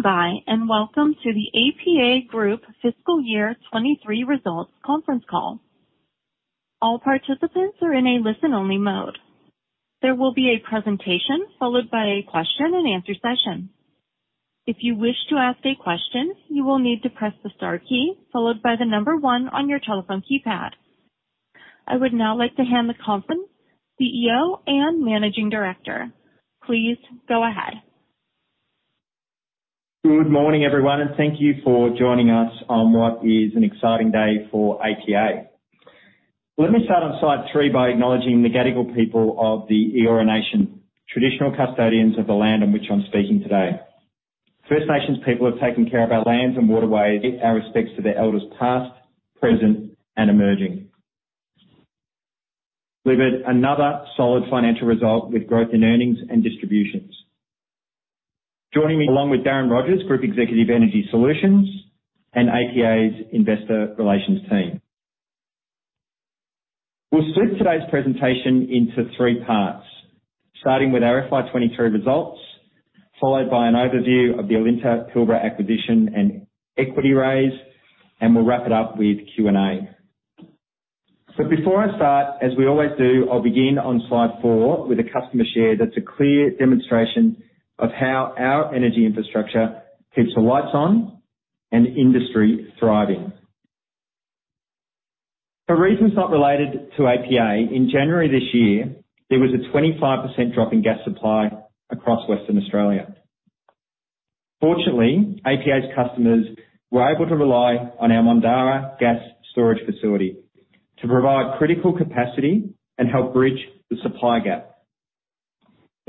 Thank you for standing by, and welcome to the APA Group fiscal year 2023 results conference call. All participants are in a listen-only mode. There will be a presentation followed by a question and answer session. If you wish to ask a question, you will need to press the star key followed by the number one on your telephone keypad. I would now like to hand the conference, CEO and Managing Director, please go ahead. Good morning, everyone, and thank you for joining us on what is an exciting day for APA. Let me start on slide three by acknowledging the Gadigal people of the Eora Nation, traditional custodians of the land on which I'm speaking today. First Nations people have taken care of our lands and waterways, our respects to their elders past, present, and emerging. Delivered another solid financial result with growth in earnings and distributions. Joining me, along with Darren Rogers, Group Executive, Energy Solutions, and APA's Investor Relations team. We'll split today's presentation into three parts, starting with our FY 2023 results, followed by an overview of the Alinta Energy Pilbara acquisition and equity raise, and we'll wrap it up with Q&A. Before I start, as we always do, I'll begin on slide four with a customer share that's a clear demonstration of how our energy infrastructure keeps the lights on and industry thriving. For reasons not related to APA, in January this year, there was a 25% drop in gas supply across Western Australia. Fortunately, APA's customers were able to rely on our Mondarra gas storage facility to provide critical capacity and help bridge the supply gap.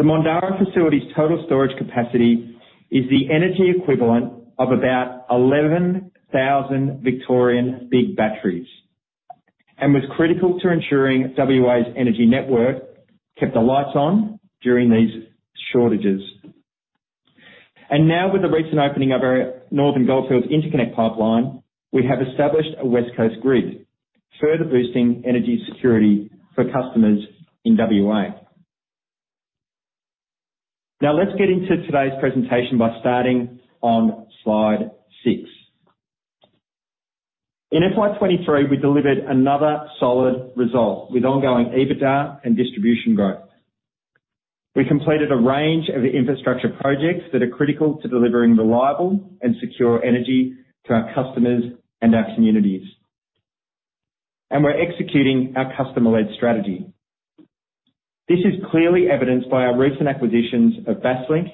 The Mondarra facility's total storage capacity is the energy equivalent of about 11,000 Victorian big batteries, and was critical to ensuring WA's energy network kept the lights on during these shortages. With the recent opening of our Northern Goldfields Interconnect Pipeline, we have established a West Coast grid, further boosting energy security for customers in WA. Let's get into today's presentation by starting on slide six. In FY 2023, we delivered another solid result with ongoing EBITDA and distribution growth. We completed a range of infrastructure projects that are critical to delivering reliable and secure energy to our customers and our communities. We're executing our customer-led strategy. This is clearly evidenced by our recent acquisitions of Basslink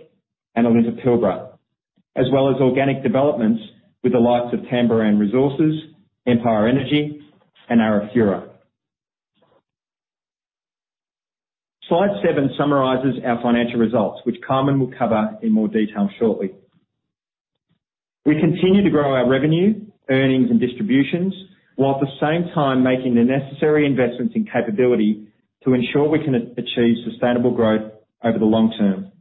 and Alinta Pilbara, as well as organic developments with the likes of Tamboran Resources, Empire Energy, and Arafura. Slide seven summarizes our financial results, which Carmen will cover in more detail shortly. We continue to grow our revenue, earnings, and distributions, while at the same time making the necessary investments in capability to ensure we can achieve sustainable growth over the long term.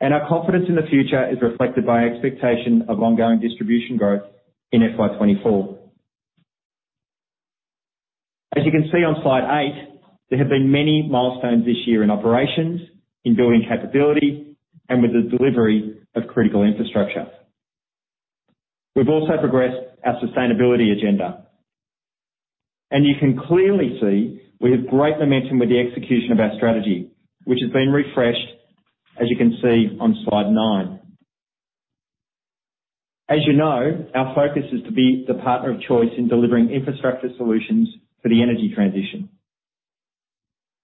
Our confidence in the future is reflected by expectation of ongoing distribution growth in FY 2024. As you can see on slide eight, there have been many milestones this year in operations, in building capability, and with the delivery of critical infrastructure. We've also progressed our sustainability agenda, and you can clearly see we have great momentum with the execution of our strategy, which has been refreshed, as you can see on slide nine. As you know, our focus is to be the partner of choice in delivering infrastructure solutions for the energy transition.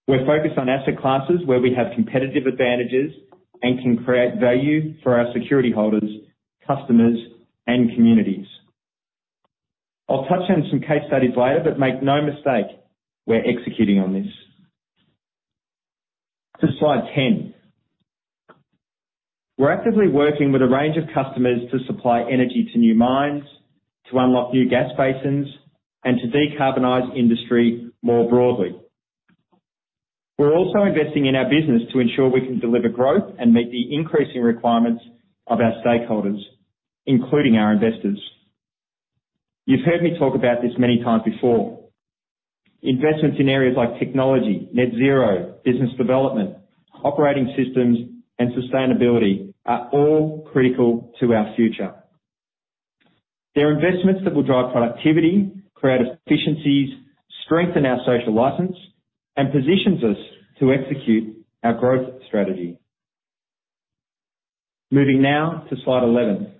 We're focused on asset classes where we have competitive advantages and can create value for our security holders, customers, and communities. I'll touch on some case studies later, but make no mistake, we're executing on this. To slide 10. We're actively working with a range of customers to supply energy to new mines, to unlock new gas basins, and to decarbonize industry more broadly. We're also investing in our business to ensure we can deliver growth and meet the increasing requirements of our stakeholders, including our investors. You've heard me talk about this many times before. Investments in areas like technology, net zero, business development, operating systems, and sustainability are all critical to our future. They are investments that will drive productivity, create efficiencies, strengthen our social license, and positions us to execute our growth strategy. Moving now to slide 11.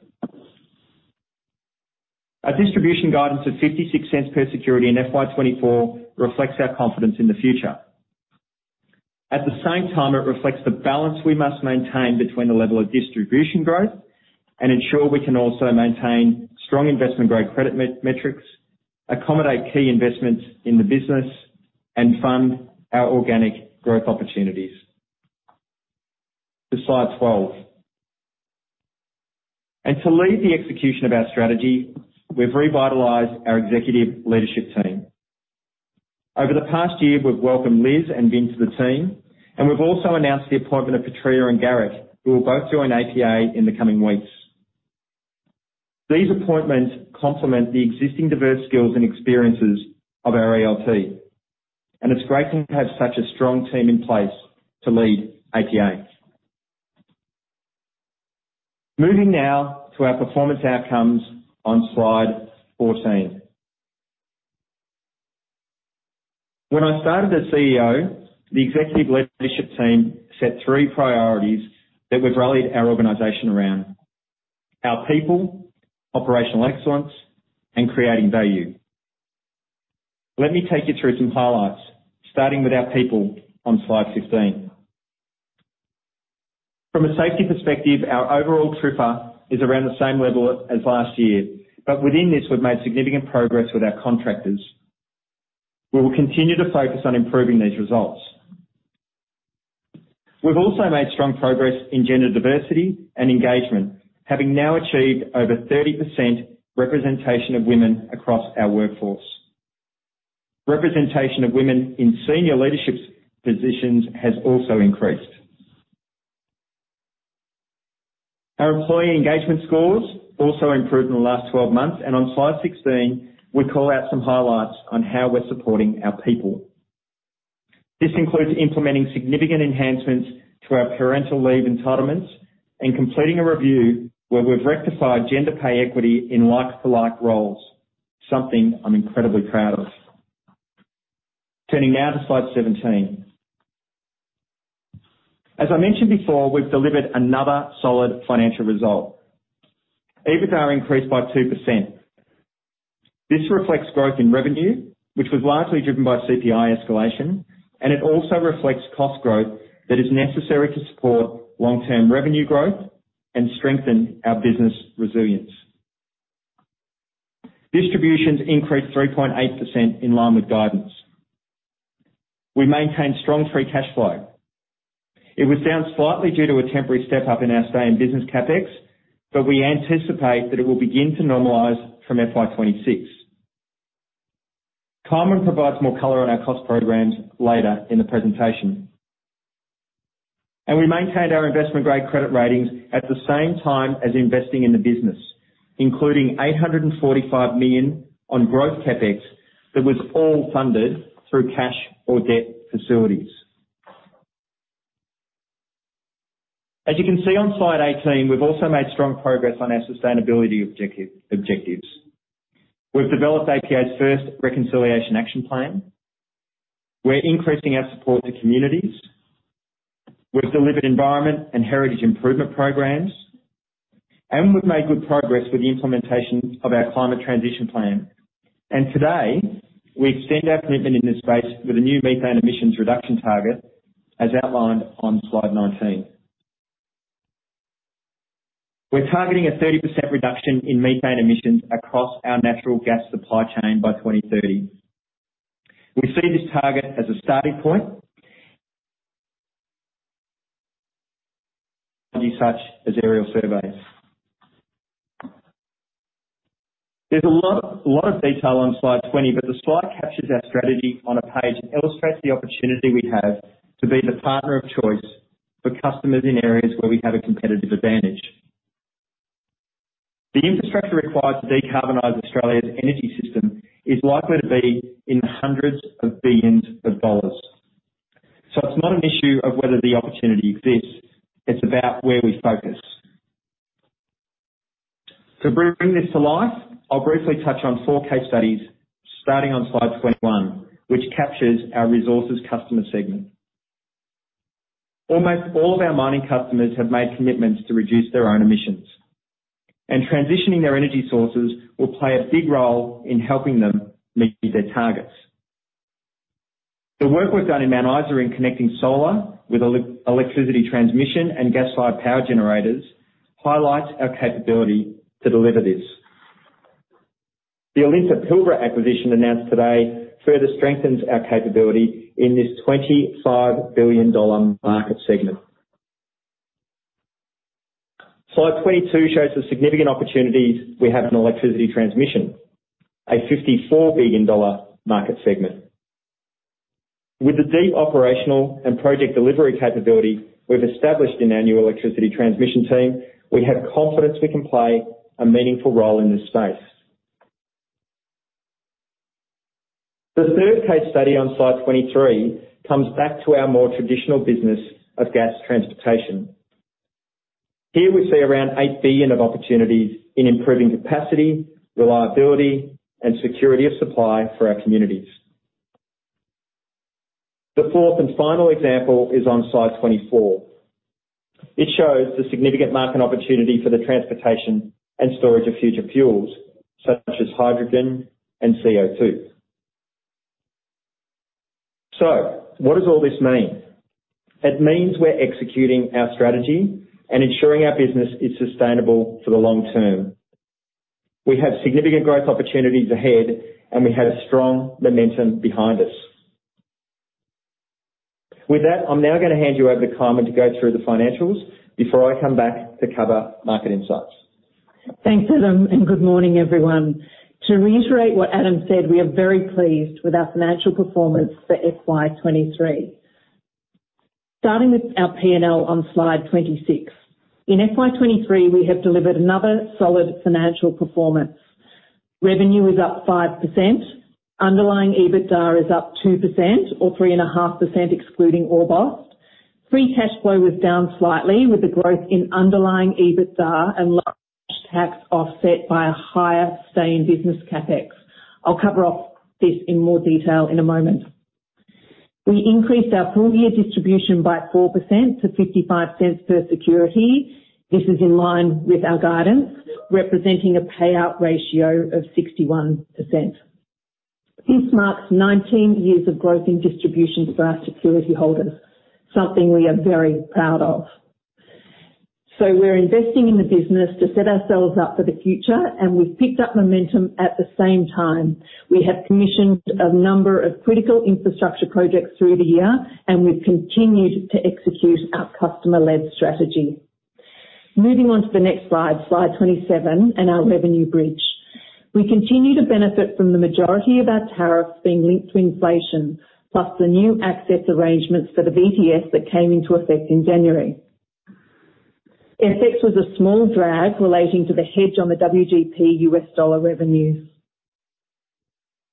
Our distribution guidance of 0.56 per security in FY 2024 reflects our confidence in the future. At the same time, it reflects the balance we must maintain between the level of distribution growth and ensure we can also maintain strong investment-grade credit metrics, accommodate key investments in the business, and fund our organic growth opportunities. To slide 12. To lead the execution of our strategy, we've revitalized our executive leadership team. Over the past year, we've welcomed Liz and Vin to the team, and we've also announced the appointment of Petrea and Garrick, who will both join APA in the coming weeks. These appointments complement the existing diverse skills and experiences of our ELT, and it's great to have such a strong team in place to lead APA. Moving now to our performance outcomes on slide 14. When I started as CEO, the executive leadership team set three priorities that we've rallied our organization around: our people, operational excellence, and creating value. Let me take you through some highlights, starting with our people on slide 15. From a safety perspective, our overall TRIFR is around the same level as last year, but within this, we've made significant progress with our contractors. We will continue to focus on improving these results. We've also made strong progress in gender diversity and engagement, having now achieved over 30% representation of women across our workforce. Representation of women in senior leadership positions has also increased. Our employee engagement scores also improved in the last 12 months. On slide 16, we call out some highlights on how we're supporting our people. This includes implementing significant enhancements to our parental leave entitlements and completing a review where we've rectified gender pay equity in like-to-like roles, something I'm incredibly proud of. Turning now to slide 17. As I mentioned before, we've delivered another solid financial result. EBITDA increased by 2%. This reflects growth in revenue, which was largely driven by CPI escalation. It also reflects cost growth that is necessary to support long-term revenue growth and strengthen our business resilience. Distributions increased 3.8% in line with guidance. We maintained strong free cash flow. It was down slightly due to a temporary step-up in our stay-in-business CapEx, but we anticipate that it will begin to normalize from FY 2026. Carmen provides more color on our cost programs later in the presentation. We maintained our investment-grade credit ratings at the same time as investing in the business, including 845 million on growth CapEx that was all funded through cash or debt facilities. As you can see on slide 18, we've also made strong progress on our sustainability objectives. We've developed APA's first Reconciliation Action Plan, we're increasing our support to communities, we've delivered environment and heritage improvement programs, and we've made good progress with the implementation of our climate transition plan. Today, we extend our commitment in this space with a new methane emissions reduction target, as outlined on slide 19. We're targeting a 30% reduction in methane emissions across our natural gas supply chain by 2030. We see this target as a starting point. Such as aerial surveys. There's a lot, a lot of detail on slide 20, but the slide captures our strategy on a page and illustrates the opportunity we have to be the partner of choice for customers in areas where we have a competitive advantage. The infrastructure required to decarbonize Australia's energy system is likely to be in hundreds of billions of dollars. It's not an issue of whether the opportunity exists, it's about where we focus. To bring this to life, I'll briefly touch on four case studies, starting on slide 21, which captures our resources customer segment. Almost all of our mining customers have made commitments to reduce their own emissions, and transitioning their energy sources will play a big role in helping them meet their targets. The work we've done in Mount Isa in connecting solar with electricity, transmission, and gas-fired power generators highlights our capability to deliver this. The Alinta Energy Pilbara acquisition announced today further strengthens our capability in this $25 billion market segment. Slide 22 shows the significant opportunities we have in electricity transmission, a $54 billion market segment. With the deep operational and project delivery capability we've established in our new electricity transmission team, we have confidence we can play a meaningful role in this space. The third case study on slide 23 comes back to our more traditional business of gas transportation. Here we see around 8 billion of opportunities in improving capacity, reliability, and security of supply for our communities. The fourth and final example is on slide 24. It shows the significant market opportunity for the transportation and storage of future fuels, such as hydrogen and CO2. What does all this mean? It means we're executing our strategy and ensuring our business is sustainable for the long term. We have significant growth opportunities ahead. We have a strong momentum behind us. With that, I'm now gonna hand you over to Carmen to go through the financials before I come back to cover market insights. Thanks, Adam. Good morning, everyone. To reiterate what Adam said, we are very pleased with our financial performance for FY 2023. Starting with our P&L on slide 26. In FY 2023, we have delivered another solid financial performance. Revenue is up 5%, underlying EBITDA is up 2% or 3.5%, excluding Orbost. Free cash flow was down slightly, with the growth in underlying EBITDA and large tax offset by a higher stay in business CapEx. I'll cover off this in more detail in a moment. We increased our full-year distribution by 4% to 0.55 per security. This is in line with our guidance, representing a payout ratio of 61%. This marks 19 years of growth in distribution for our security holders, something we are very proud of. We're investing in the business to set ourselves up for the future, and we've picked up momentum at the same time. We have commissioned a number of critical infrastructure projects through the year, we've continued to execute our customer-led strategy. Moving on to the next slide, slide 27, our revenue bridge. We continue to benefit from the majority of our tariffs being linked to inflation, plus the new access arrangements for the VTS that came into effect in January. FX was a small drag relating to the hedge on the WGP U.S. dollar revenues.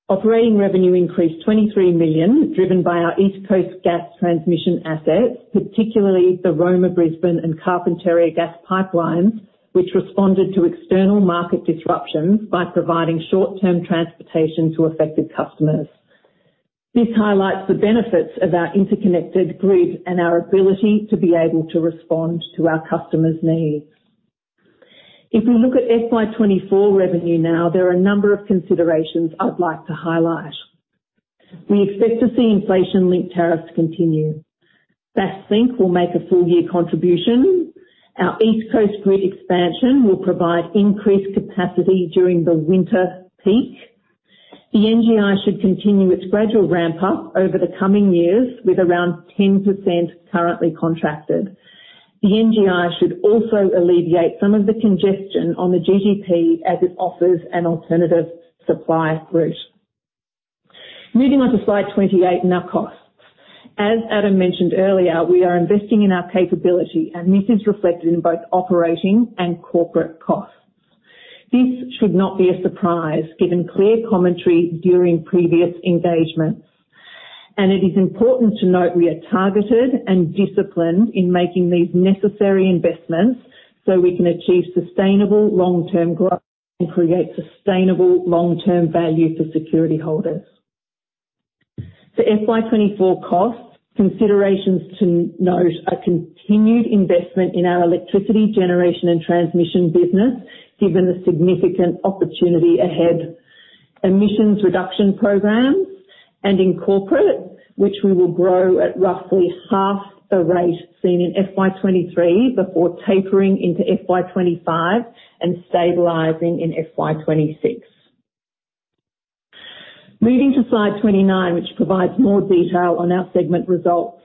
Operating revenue increased 23 million, driven by our East Coast Gas Transmission assets, particularly the Roma, Brisbane and Carpentaria Gas pipelines, which responded to external market disruptions by providing short-term transportation to affected customers. This highlights the benefits of our interconnected grid and our ability to be able to respond to our customers' needs. If we look at FY 2024 revenue now, there are a number of considerations I'd like to highlight. We expect to see inflation-linked tariffs continue. Basslink will make a full-year contribution. Our East Coast Grid Expansion will provide increased capacity during the winter peak. The NGI should continue its gradual ramp up over the coming years, with around 10% currently contracted. The NGI should also alleviate some of the congestion on the GGP as it offers an alternative supply route. Moving on to slide 28 and our costs. As Adam mentioned earlier, we are investing in our capability and this is reflected in both operating and corporate costs. This should not be a surprise, given clear commentary during previous engagements. It is important to note we are targeted and disciplined in making these necessary investments so we can achieve sustainable long-term growth and create sustainable long-term value for security holders. The FY 2024 costs considerations to note are continued investment in our electricity generation and transmission business, given the significant opportunity ahead. Emissions reduction programs and in corporate, which we will grow at roughly half the rate seen in FY 2023 before tapering into FY 2025 and stabilizing in FY 2026. Moving to slide 29, which provides more detail on our segment results.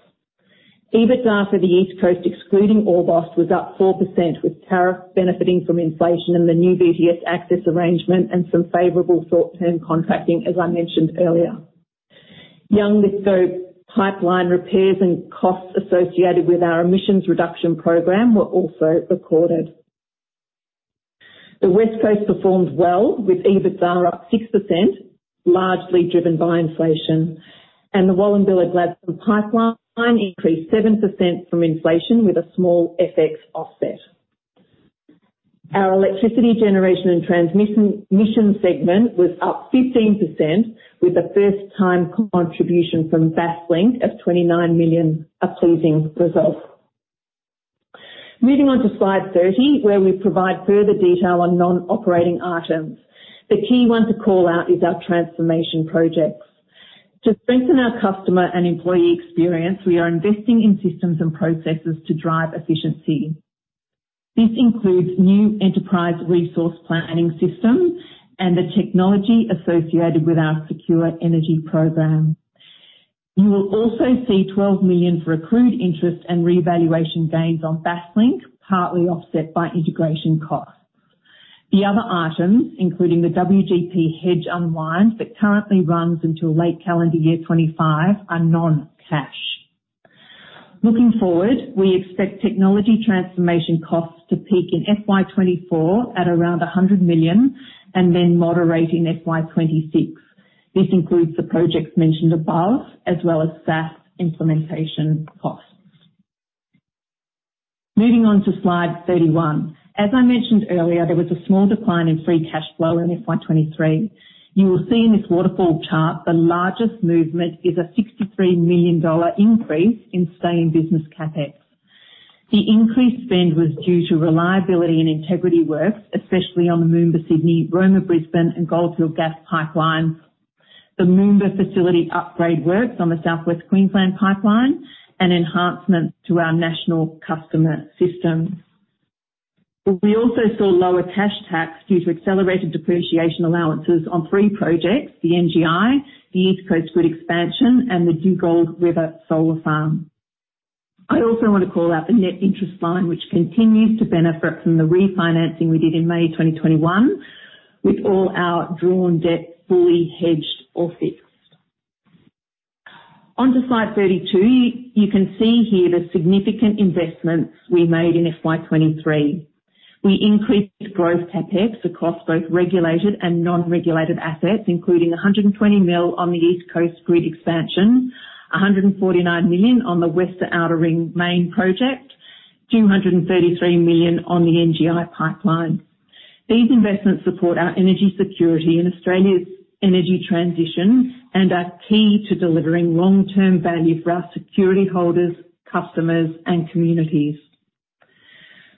EBITDA for the East Coast, excluding Orbost, was up 4%, with tariff benefiting from inflation and the new VTS access arrangement and some favorable short-term contracting, as I mentioned earlier. Young Lithgow pipeline repairs and costs associated with our emissions reduction program were also recorded. The West Coast performed well, with EBITDA up 6%, largely driven by inflation, and the Wallumbilla Gladstone Pipeline increased 7% from inflation with a small FX offset. Our electricity generation and transmission segment was up 15%, with a first-time contribution from Basslink of 29 million, a pleasing result. Moving on to slide 30, where we provide further detail on non-operating items. The key one to call out is our transformation projects. To strengthen our customer and employee experience, we are investing in systems and processes to drive efficiency. This includes new enterprise resource planning systems and the technology associated with our Secure Energy Program. You will also see 12 million for accrued interest and revaluation gains on Basslink, partly offset by integration costs. The other items, including the WGP hedge unwind that currently runs until late calendar year 2025, are non-cash. Looking forward, we expect technology transformation costs to peak in FY 2024 at around 100 million and then moderate in FY 2026. This includes the projects mentioned above, as well as SaaS implementation costs. Moving on to slide 31. As I mentioned earlier, there was a small decline in free cash flow in FY 2023. You will see in this waterfall chart, the largest movement is a 63 million dollar increase in SIB CapEx. The increased spend was due to reliability and integrity works, especially on the Moomba Sydney, Roma Brisbane and Goldfields Gas Pipeline. The Moomba facility upgrade works on the South West Queensland Pipeline and enhancements to our national customer systems. We also saw lower cash tax due to accelerated depreciation allowances on three projects: the NGI, the East Coast Grid expansion, and the Dugald River Solar Farm. I also want to call out the net interest line, which continues to benefit from the refinancing we did in May 2021 with all our drawn debt fully hedged or fixed. On to slide 32, you can see here the significant investments we made in FY 2023. We increased growth CapEx across both regulated and non-regulated assets, including 120 million on the East Coast Gas Grid Expansion Plan, 149 million on the Western Outer Ring Main, 233 million on the NGI. These investments support our energy security and Australia's energy transition, and are key to delivering long-term value for our security holders, customers, and communities.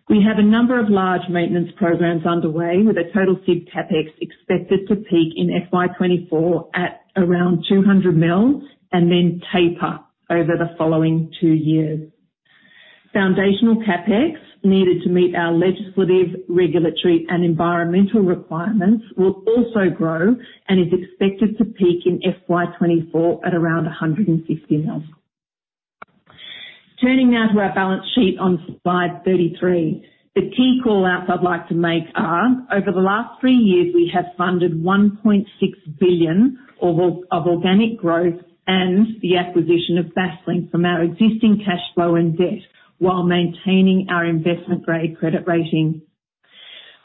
We have a number of large maintenance programs underway, with a total SIB CapEx expected to peak in FY 2024 at around 200 million, and then taper over the following two years. Foundational CapEx, needed to meet our legislative, regulatory, and environmental requirements, will also grow and is expected to peak in FY 2024 at around 150 million. Turning now to our balance sheet on slide 33. The key call-outs I'd like to make are: over the last three years, we have funded 1.6 billion of organic growth and the acquisition of Basslink from our existing cash flow and debt, while maintaining our investment-grade credit rating.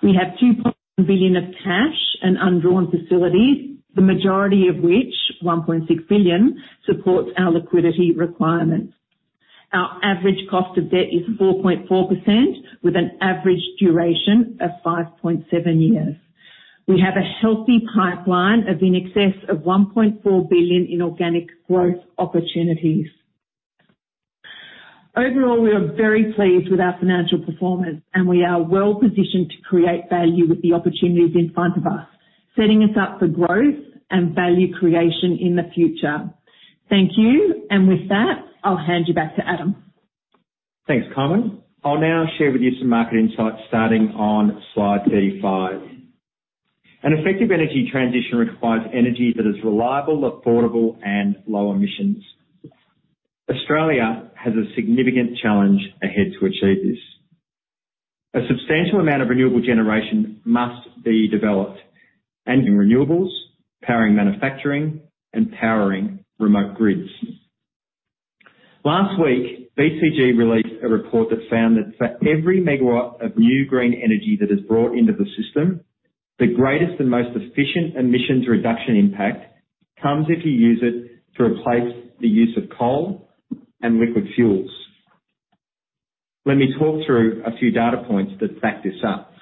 We have 2 billion of cash and undrawn facilities, the majority of which, 1.6 billion, supports our liquidity requirements. Our average cost of debt is 4.4%, with an average duration of 5.7 years. We have a healthy pipeline of in excess of 1.4 billion in organic growth opportunities. Overall, we are very pleased with our financial performance, we are well-positioned to create value with the opportunities in front of us, setting us up for growth and value creation in the future. Thank you, with that, I'll hand you back to Adam. Thanks, Carmen. I'll now share with you some market insights, starting on slide 35. An effective energy transition requires energy that is reliable, affordable, and low emissions. Australia has a significant challenge ahead to achieve this. A substantial amount of renewable generation must be developed and in renewables, powering manufacturing, and powering remote grids. Last week, BCG released a report that found that for every megawatt of new green energy that is brought into the system, the greatest and most efficient emissions reduction impact comes if you use it to replace the use of coal and liquid fuels. Let me talk through a few data points that back this up.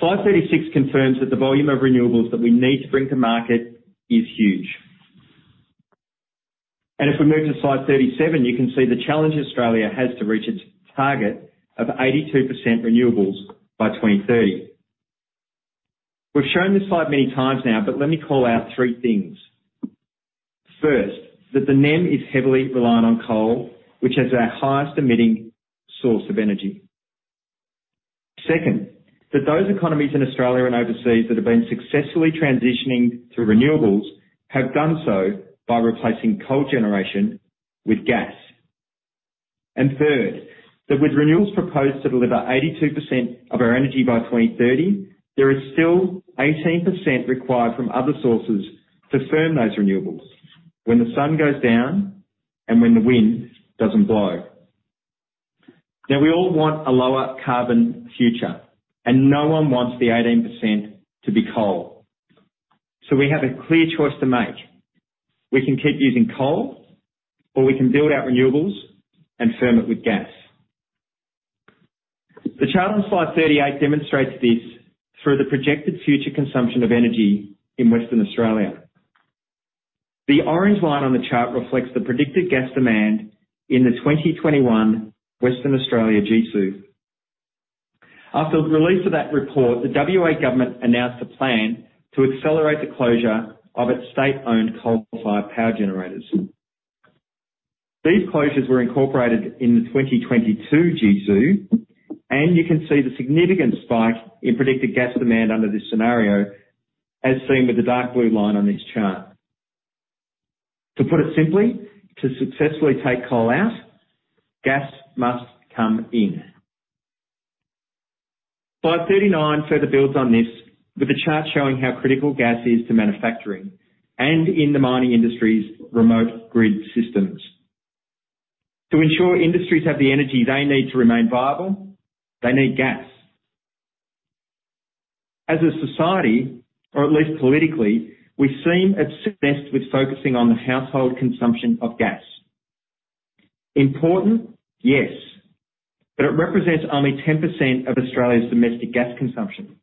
Slide 36 confirms that the volume of renewables that we need to bring to market is huge. If we move to slide 37, you can see the challenge Australia has to reach its target of 82% renewables by 2030. We've shown this slide many times now, but let me call out three things. First, that the NEM is heavily reliant on coal, which is our highest-emitting source of energy. Second, that those economies in Australia and overseas that have been successfully transitioning to renewables have done so by replacing coal generation with gas. Third, that with renewables proposed to deliver 82% of our energy by 2030, there is still 18% required from other sources to firm those renewables when the sun goes down and when the wind doesn't blow. Now, we all want a lower carbon future, and no one wants the 18% to be coal. We have a clear choice to make. We can keep using coal, or we can build our renewables and firm it with gas. The chart on slide 38 demonstrates this through the projected future consumption of energy in Western Australia. The orange line on the chart reflects the predicted gas demand in the 2021 Western Australia GSOO. After the release of that report, the WA government announced a plan to accelerate the closure of its state-owned coal-fired power generators. These closures were incorporated in the 2022 GSOO, and you can see the significant spike in predicted gas demand under this scenario, as seen with the dark blue line on this chart. To put it simply, to successfully take coal out, gas must come in. Slide 39 further builds on this with a chart showing how critical gas is to manufacturing and in the mining industry's remote grid systems. To ensure industries have the energy they need to remain viable, they need gas. As a society, or at least politically, we've seen a success with focusing on the household consumption of gas. Important, yes, it represents only 10% of Australia's domestic gas consumption.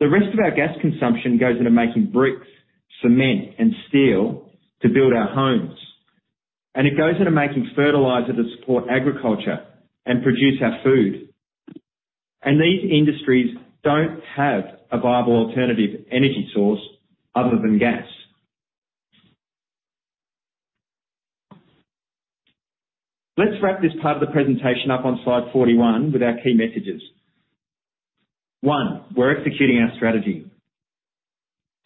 The rest of our gas consumption goes into making bricks, cement, and steel to build our homes, and it goes into making fertilizer to support agriculture and produce our food. These industries don't have a viable alternative energy source other than gas. Let's wrap this part of the presentation up on slide 41 with our key messages. One, we're executing our strategy.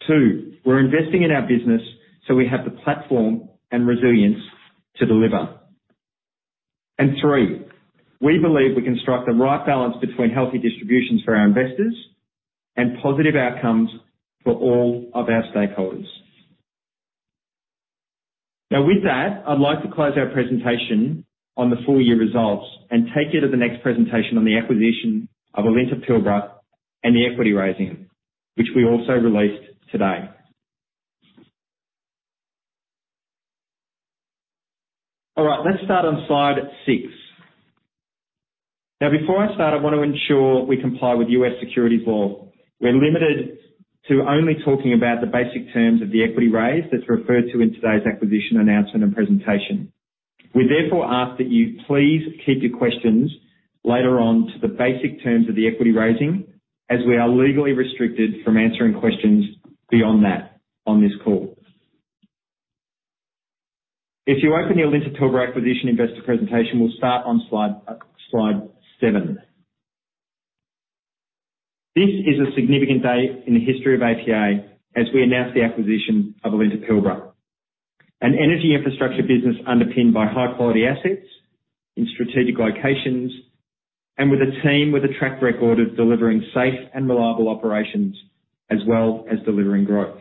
Two, we're investing in our business, so we have the platform and resilience to deliver.... Three, we believe we can strike the right balance between healthy distributions for our investors and positive outcomes for all of our stakeholders. With that, I'd like to close our presentation on the full-year results and take you to the next presentation on the acquisition of Alinta Pilbara and the equity raising, which we also released today. Let's start on slide six. Before I start, I want to ensure we comply with U.S. securities laws. We're limited to only talking about the basic terms of the equity raise that's referred to in today's acquisition announcement and presentation. We therefore ask that you please keep your questions later on to the basic terms of the equity raising, as we are legally restricted from answering questions beyond that on this call. If you open your Alinta Pilbara acquisition investor presentation, we'll start on slide, slide seven. This is a significant day in the history of APA as we announce the acquisition of Alinta Pilbara, an energy infrastructure business underpinned by high-quality assets in strategic locations, and with a team with a track record of delivering safe and reliable operations, as well as delivering growth.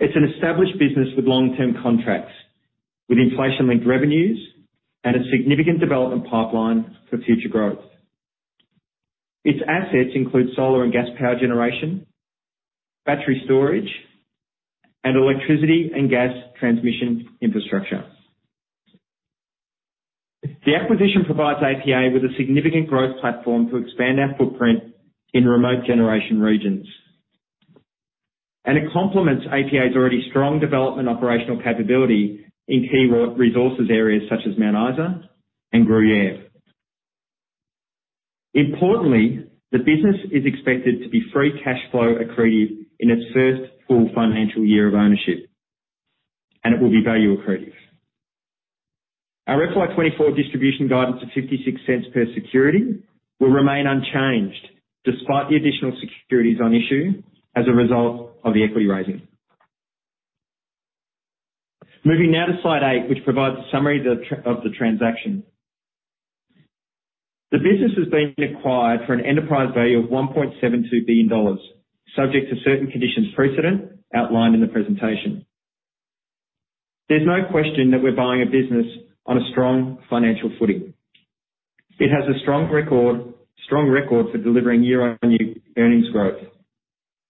It's an established business with long-term contracts, with inflation-linked revenues, and a significant development pipeline for future growth. Its assets include solar and gas power generation, battery storage, and electricity and gas transmission infrastructure. The acquisition provides APA with a significant growth platform to expand our footprint in remote generation regions. It complements APA's already strong development operational capability in key resources areas such as Mount Isa and Gruyere. Importantly, the business is expected to be free-cash flow accretive in its first full financial year of ownership, and it will be value accretive. Our FY 2024 distribution guidance of 0.56 per security will remain unchanged, despite the additional securities on issue as a result of the equity raising. Moving now to slide eight, which provides a summary of the transaction. The business is being acquired for an enterprise value of 1.72 billion dollars, subject to certain conditions precedent outlined in the presentation. There's no question that we're buying a business on a strong financial footing. It has a strong record for delivering year-on-year earnings growth.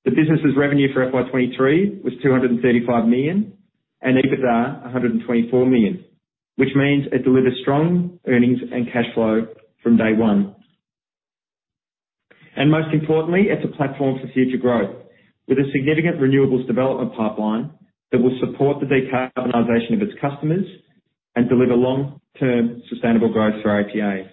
The business's revenue for FY 2023 was 235 million and EBITDA, 124 million, which means it delivers strong earnings and cash flow from day one. Most importantly, it's a platform for future growth, with a significant renewables development pipeline that will support the decarbonization of its customers and deliver long-term sustainable growth for APA.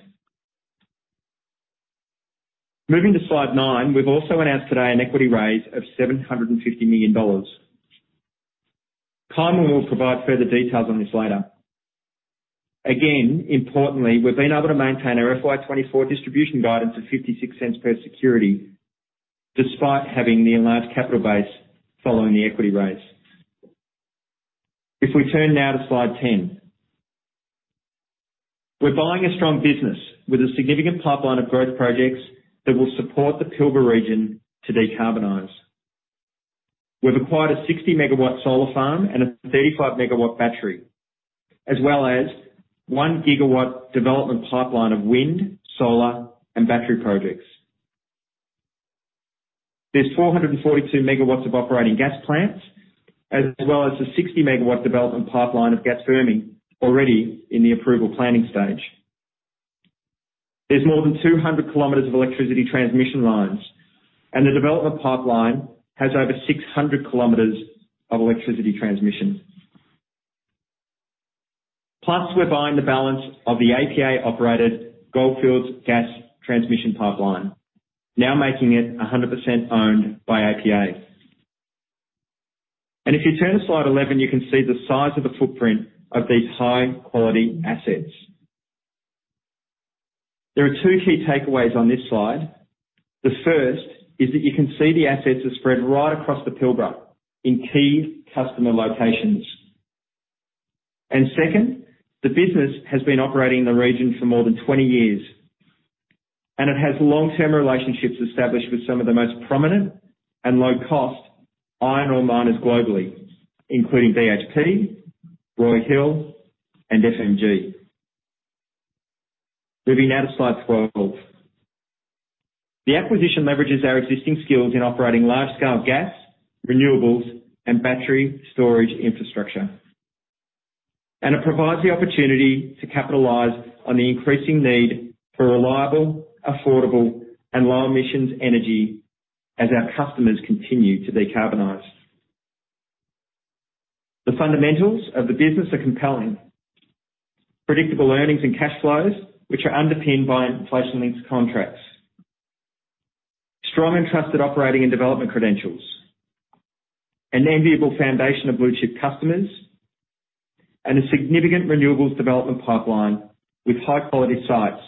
Moving to slide nine. We've also announced today an equity raise of 750 million dollars. Carmen will provide further details on this later. Again, importantly, we've been able to maintain our FY 2024 distribution guidance of 0.56 per security, despite having the enlarged capital base following the equity raise. We turn now to slide 10. We're buying a strong business with a significant pipeline of growth projects that will support the Pilbara region to decarbonize. We've acquired a 60 MW solar farm and a 35 MW battery, as well as a 1 GW development pipeline of wind, solar, and battery projects. There's 442 MW of operating gas plants, as well as a 60 MW development pipeline of gas firming already in the approval planning stage. There's more than 200 km of electricity transmission lines, and the development pipeline has over 600 km of electricity transmission. Plus, we're buying the balance of the APA-operated Goldfields Gas Pipeline, now making it 100% owned by APA. If you turn to slide 11, you can see the size of the footprint of these high-quality assets. There are two key takeaways on this slide. The first is that you can see the assets are spread right across the Pilbara in key customer locations. Second, the business has been operating in the region for more than 20 years, and it has long-term relationships established with some of the most prominent and low-cost iron ore miners globally, including BHP, Roy Hill, and FMG. Moving now to slide 12. The acquisition leverages our existing skills in operating large-scale gas, renewables, and battery storage infrastructure. It provides the opportunity to capitalize on the increasing need for reliable, affordable, and low-emissions energy as our customers continue to decarbonize. The fundamentals of the business are compelling: predictable earnings and cash flows, which are underpinned by inflation-linked contracts, strong and trusted operating and development credentials, an enviable foundation of blue-chip customers, and a significant renewables development pipeline with high-quality sites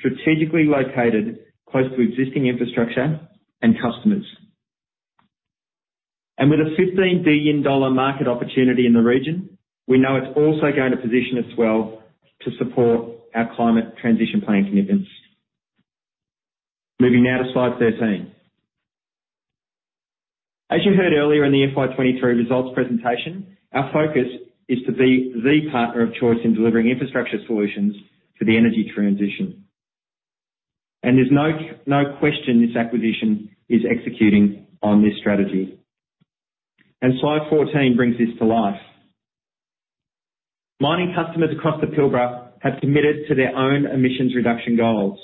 strategically located close to existing infrastructure and customers. With an 15 billion dollar market opportunity in the region, we know it's also going to position us well to support our climate transition plan commitments. Moving now to slide 13. As you heard earlier in the FY 2023 results presentation, our focus is to be the partner of choice in delivering infrastructure solutions for the energy transition, there's no, no question this acquisition is executing on this strategy. Slide 14 brings this to life. Mining customers across the Pilbara have committed to their own emissions reduction goals.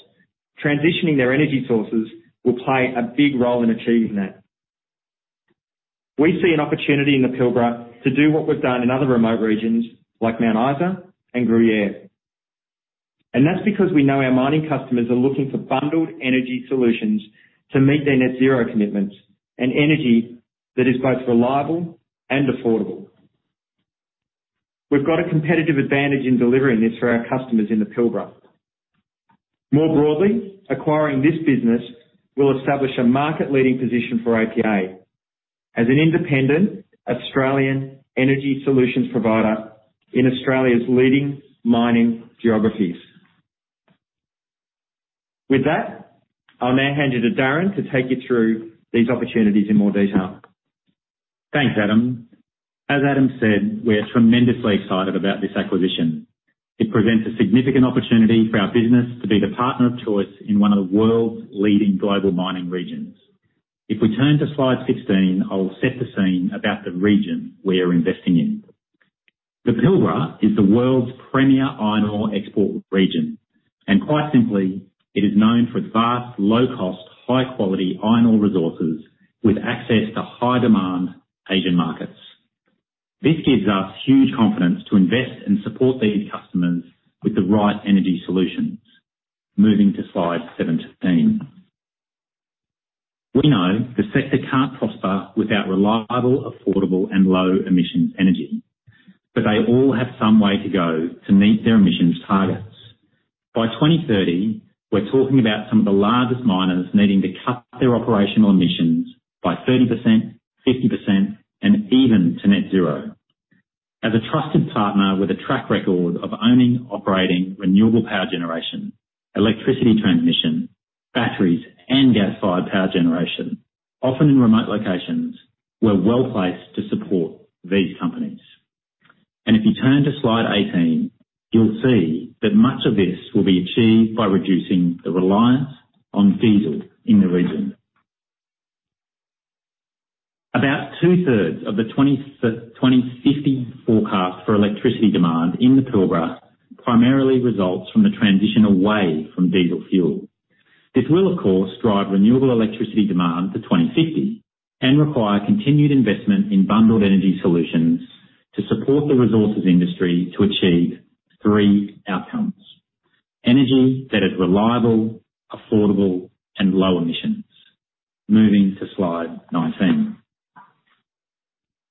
Transitioning their energy sources will play a big role in achieving that. We see an opportunity in the Pilbara to do what we've done in other remote regions like Mount Isa and Gruyere, and that's because we know our mining customers are looking for bundled energy solutions to meet their net zero commitments, and energy that is both reliable and affordable. We've got a competitive advantage in delivering this for our customers in the Pilbara. More broadly, acquiring this business will establish a market-leading position for APA as an independent Australian energy solutions provider in Australia's leading mining geographies. With that, I'll now hand you to Darren to take you through these opportunities in more detail. Thanks, Adam. As Adam said, we are tremendously excited about this acquisition. It presents a significant opportunity for our business to be the partner of choice in one of the world's leading global mining regions. We turn to slide 16, I will set the scene about the region we are investing in. The Pilbara is the world's premier iron ore export region, and quite simply, it is known for its vast, low-cost, high-quality iron ore resources with access to high-demand Asian markets. This gives us huge confidence to invest and support these customers with the right energy solutions. Moving to slide 17. We know the sector can't prosper without reliable, affordable, and low-emissions energy, but they all have some way to go to meet their emissions targets. By 2030, we're talking about some of the largest miners needing to cut their operational emissions by 30%, 50%, and even to net zero. As a trusted partner with a track record of owning, operating renewable power generation, electricity transmission, batteries, and gas-fired power generation, often in remote locations, we're well-placed to support these companies. If you turn to slide 18, you'll see that much of this will be achieved by reducing the reliance on diesel in the region. About 2/3 of the 2050 forecast for electricity demand in the Pilbara primarily results from the transition away from diesel fuel. This will, of course, drive renewable electricity demand to 2050 and require continued investment in bundled energy solutions to support the resources industry to achieve three outcomes: energy that is reliable, affordable, and low emissions. Moving to slide 19.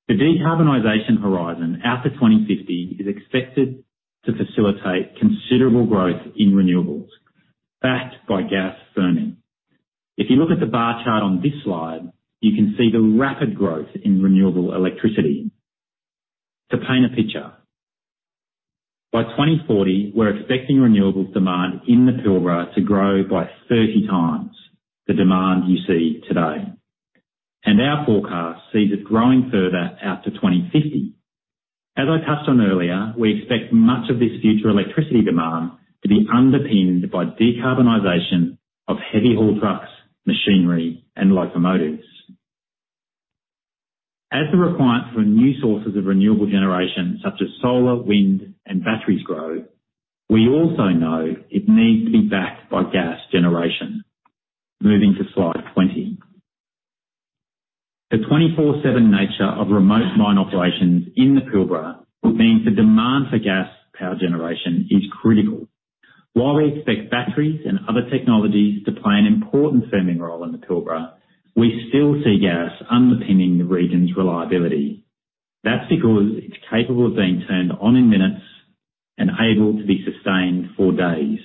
The decarbonization horizon after 2050 is expected to facilitate considerable growth in renewables, backed by gas firming. If you look at the bar chart on this slide, you can see the rapid growth in renewable electricity. To paint a picture, by 2040, we're expecting renewables demand in the Pilbara to grow by 30 times the demand you see today. Our forecast sees it growing further out to 2050. As I touched on earlier, we expect much of this future electricity demand to be underpinned by decarbonization of heavy haul trucks, machinery, and locomotives. As the requirement for new sources of renewable generation, such as solar, wind, and batteries grow, we also know it needs to be backed by gas generation. Moving to slide 20. The 24/7 nature of remote mine operations in the Pilbara means the demand for gas power generation is critical. While we expect batteries and other technologies to play an important firming role in the Pilbara, we still see gas underpinning the region's reliability. That's because it's capable of being turned on in minutes and able to be sustained for days.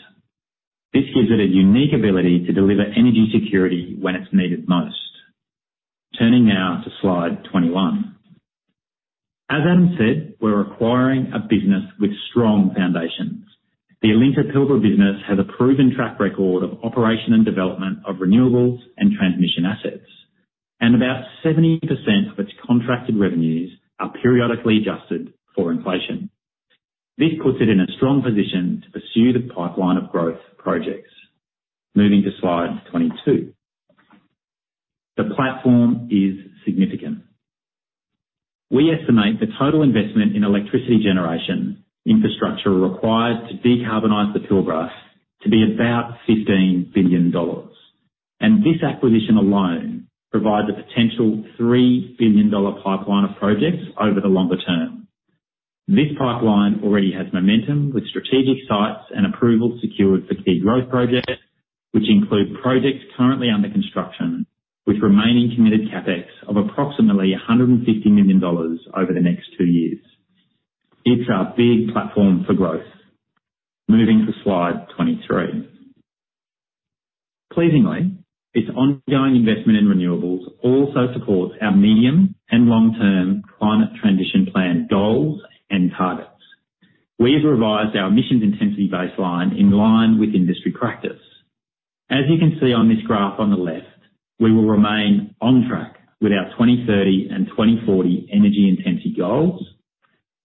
This gives it a unique ability to deliver energy security when it's needed most. Turning now to slide 21. As Adam said, we're acquiring a business with strong foundations. The Alinta Pilbara business has a proven track record of operation and development of renewables and transmission assets, and about 70% of its contracted revenues are periodically adjusted for inflation. This puts it in a strong position to pursue the pipeline of growth projects. Moving to slide 22. The platform is significant. We estimate the total investment in electricity generation infrastructure required to decarbonize the Pilbara to be about 15 billion dollars. This acquisition alone provides a potential 3 billion dollar pipeline of projects over the longer term. This pipeline already has momentum, with strategic sites and approvals secured for key growth projects, which include projects currently under construction, with remaining committed CapEx of approximately 150 million dollars over the next two years. It's a big platform for growth. Moving to slide 23. Pleasingly, this ongoing investment in renewables also supports our medium and long-term climate transition plan goals and targets. We have revised our emissions intensity baseline in line with industry practice. As you can see on this graph on the left, we will remain on track with our 2030 and 2040 energy intensity goals.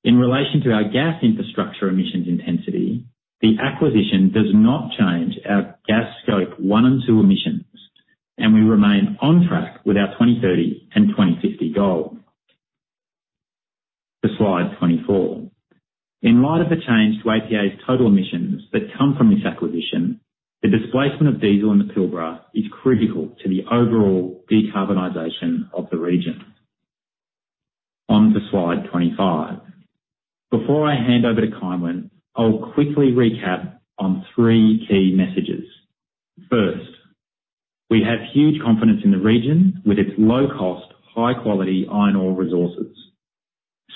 In relation to our gas infrastructure emissions intensity, the acquisition does not change our gas Scope 1 and 2 emissions. We remain on track with our 2030 and 2050 goal. To slide 24. In light of the change to APA's total emissions that come from this acquisition, the displacement of diesel in the Pilbara is critical to the overall decarbonization of the region. On to slide 25. Before I hand over to Carmen, I'll quickly recap on three key messages. First, we have huge confidence in the region with its low cost, high quality iron ore resources.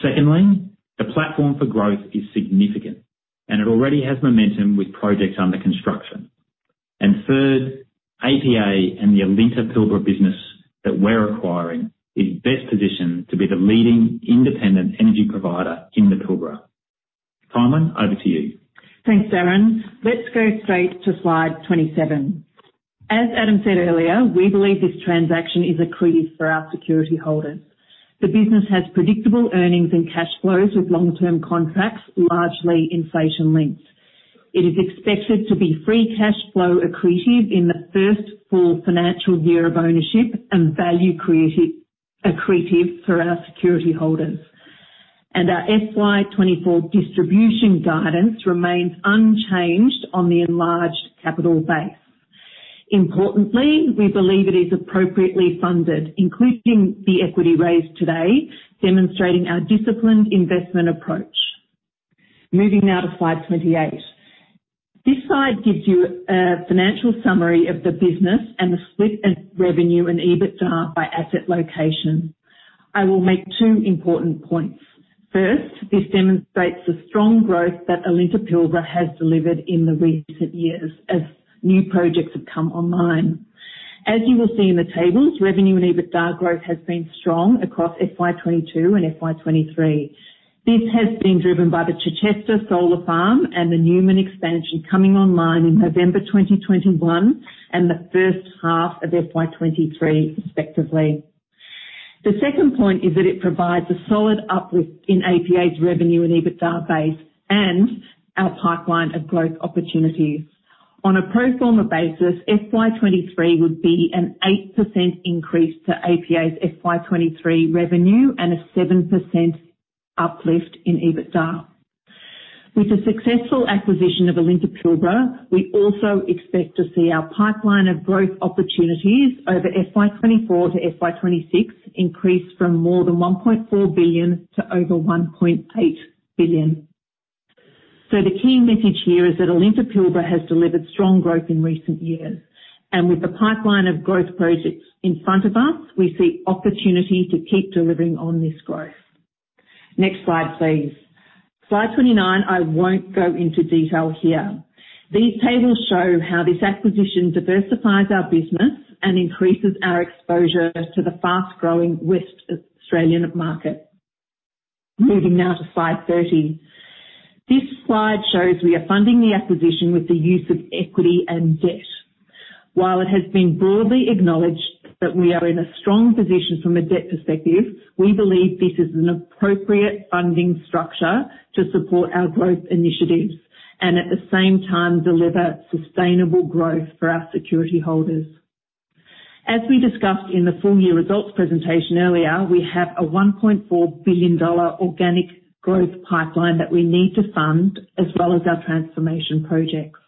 Secondly, the platform for growth is significant. It already has momentum with projects under construction. Third, APA and the Alinta Pilbara business that we're acquiring is best positioned to be the leading independent energy provider in the Pilbara. Carmen, over to you. Thanks, Darren. Let's go straight to slide 27. As Adam said earlier, we believe this transaction is accretive for our security holders. The business has predictable earnings and cash flows, with long-term contracts, largely inflation linked. It is expected to be free cash flow accretive in the first full financial year of ownership and value accretive for our security holders. Our FY 2024 distribution guidance remains unchanged on the enlarged capital base. Importantly, we believe it is appropriately funded, including the equity raised today, demonstrating our disciplined investment approach. Moving now to slide 28. This slide gives you a financial summary of the business and the split and revenue and EBITDA by asset location. I will make two important points. First, this demonstrates the strong growth that Alinta Pilbara has delivered in the recent years as new projects have come online. As you will see in the tables, revenue and EBITDA growth has been strong across FY 2022 and FY 2023. This has been driven by the Chichester Solar Farm and the Newman expansion coming online in November 2021 and the first half of FY 2023, respectively. The second point is that it provides a solid uplift in APA's revenue and EBITDA base and our pipeline of growth opportunities. On a pro forma basis, FY 2023 would be an 8% increase to APA's FY 2023 revenue and a 7% uplift in EBITDA. With the successful acquisition of Alinta Pilbara, we also expect to see our pipeline of growth opportunities over FY 2024 to FY 2026 increase from more than 1.4 billion to over 1.8 billion. The key message here is that Alinta Pilbara has delivered strong growth in recent years, and with the pipeline of growth projects in front of us, we see opportunity to keep delivering on this growth. Next slide, please. Slide 29, I won't go into detail here. These tables show how this acquisition diversifies our business and increases our exposure to the fast-growing Western Australian market. Moving now to slide 30. This slide shows we are funding the acquisition with the use of equity and debt. While it has been broadly acknowledged that we are in a strong position from a debt perspective, we believe this is an appropriate funding structure to support our growth initiatives and at the same time deliver sustainable growth for our security holders. As we discussed in the full-year results presentation earlier, we have an 1.4 billion dollar organic growth pipeline that we need to fund, as well as our transformation projects.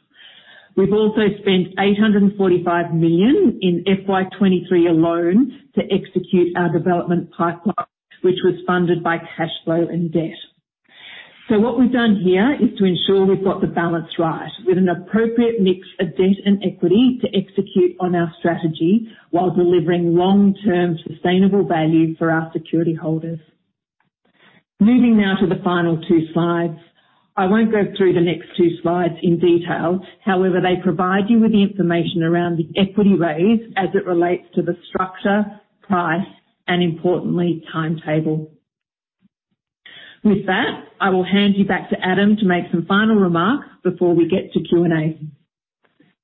We've also spent 845 million in FY 2023 alone to execute our development pipeline, which was funded by cash flow and debt. What we've done here is to ensure we've got the balance right, with an appropriate mix of debt and equity to execute on our strategy while delivering long-term sustainable value for our security holders. Moving now to the final two slides. I won't go through the next two slides in detail, however, they provide you with the information around the equity raise as it relates to the structure, price, and importantly, timetable. I will hand you back to Adam to make some final remarks before we get to Q&A.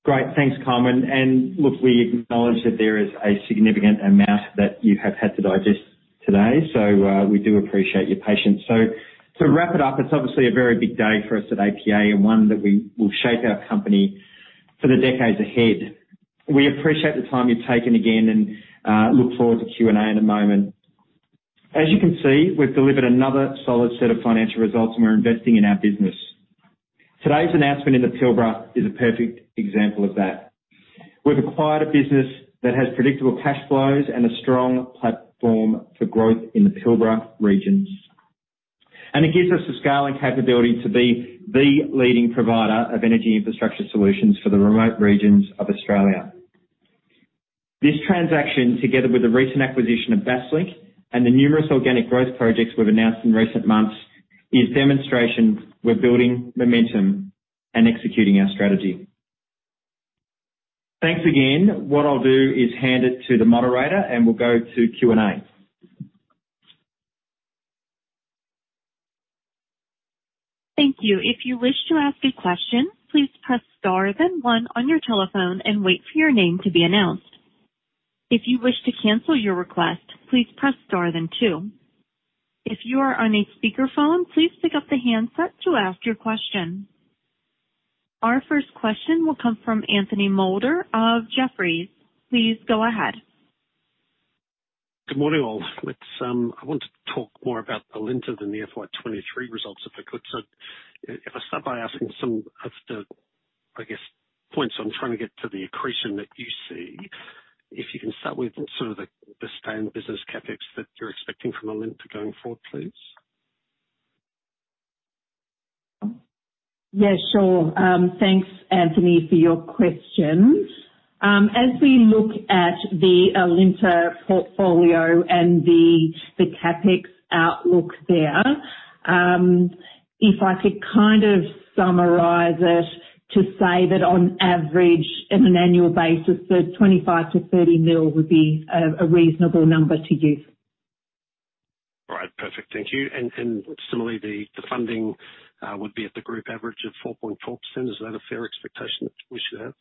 Great. Thanks, Carmen. Look, we acknowledge that there is a significant amount that you have had to digest today, so we do appreciate your patience. To wrap it up, it's obviously a very big day for us at APA and one that we will shape our company for the decades ahead. We appreciate the time you've taken again and look forward to Q&A in a moment. As you can see, we've delivered another solid set of financial results, and we're investing in our business. Today's announcement in the Pilbara is a perfect example of that. We've acquired a business that has predictable cash flows and a strong platform for growth in the Pilbara regions, and it gives us the scale and capability to be the leading provider of energy infrastructure solutions for the remote regions of Australia. This transaction, together with the recent acquisition of Basslink and the numerous organic growth projects we've announced in recent months, is demonstration we're building momentum and executing our strategy. Thanks again. What I'll do is hand it to the moderator, and we'll go to Q&A. Thank you. If you wish to ask a question, please press star, then one on your telephone and wait for your name to be announced. If you wish to cancel your request, please press star, then two. If you are on a speakerphone, please pick up the handset to ask your question. Our first question will come from Anthony Moulder of Jefferies. Please go ahead. Good morning, all. Let's, I want to talk more about the Alinta than the FY 2023 results, if I could. If I start by asking some of the, I guess, points, I'm trying to get to the accretion that you see. If you can start with sort of the span business CapEx that you're expecting from Alinta going forward, please. Yeah, sure. Thanks, Anthony, for your question. As we look at the Alinta portfolio and the CapEx outlook there, if I could kind of summarize it to say that on average, on an annual basis, that 25 million-30 million would be a reasonable number to use. All right, perfect. Thank you. Similarly, the funding would be at the group average of 4.4%. Is that a fair expectation that we should have?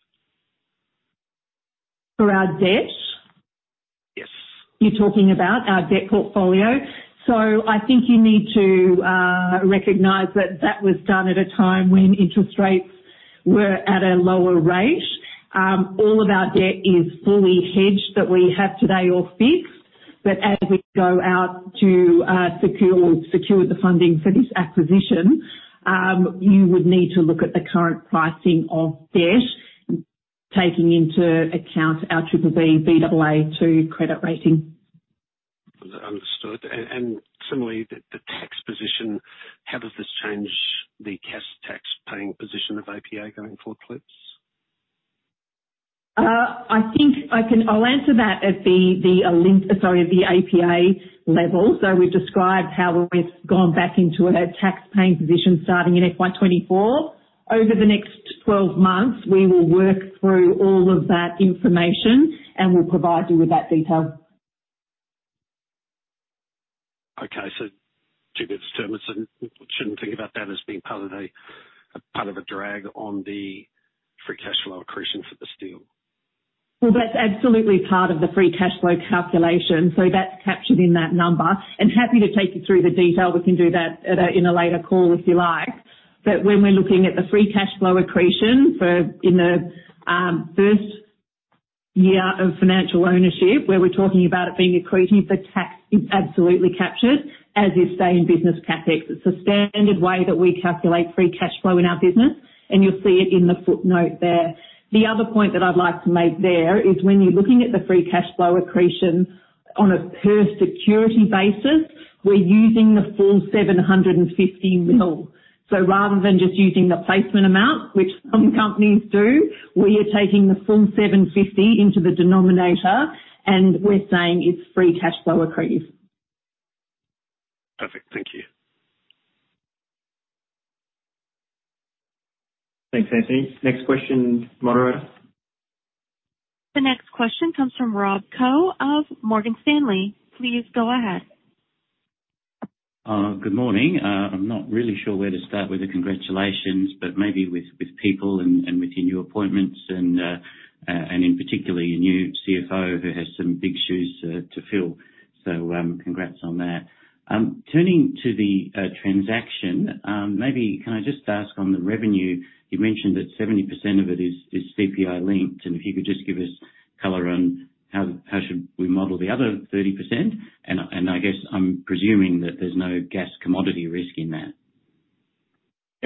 For our debt? Yes. You're talking about our debt portfolio. I think you need to recognize that that was done at a time when interest rates were at a lower rate. All of our debt is fully hedged, that we have today or fixed. As we go out to secure, secure the funding for this acquisition, you would need to look at the current pricing of debt, taking into account our BBB, Baa2 credit rating. Understood. Similarly, the tax position, how does this change the cash tax paying position of APA going forward, please? I think I can... I'll answer that at the APA level. We've described how we've gone back into a tax paying position starting in FY 2024. Over the next 12 months, we will work through all of that information, and we'll provide you with that detail. Okay, so to be determined, we shouldn't think about that as being part of a drag on the free cash flow accretion for the steel. Well, that's absolutely part of the free cash flow calculation, so that's captured in that number. Happy to take you through the detail. We can do that in a later call, if you like. When we're looking at the free cash flow accretion for, in the first year of financial ownership, where we're talking about it being accretive, the tax is absolutely captured, as is stay in business CapEx. It's a standard way that we calculate free cash flow in our business, and you'll see it in the footnote there. The other point that I'd like to make there is when you're looking at the free cash flow accretion on a per security basis, we're using the full 750 million. Rather than just using the placement amount, which some companies do, we are taking the full 750 million into the denominator, and we're saying it's free cash flow accretive. Perfect. Thank you. Thanks, Anthony. Next question, moderator. The next question comes from Rob Koh of Morgan Stanley. Please go ahead. Good morning. I'm not really sure where to start with the congratulations, but maybe with people and with your new appointments and in particularly your new CFO, who has some big shoes to fill. Congrats on that. Turning to the transaction, maybe can I just ask on the revenue, you mentioned that 70% of it is CPI linked, and if you could just give us color on how, how should we model the other 30%? I guess I'm presuming that there's no gas commodity risk in that.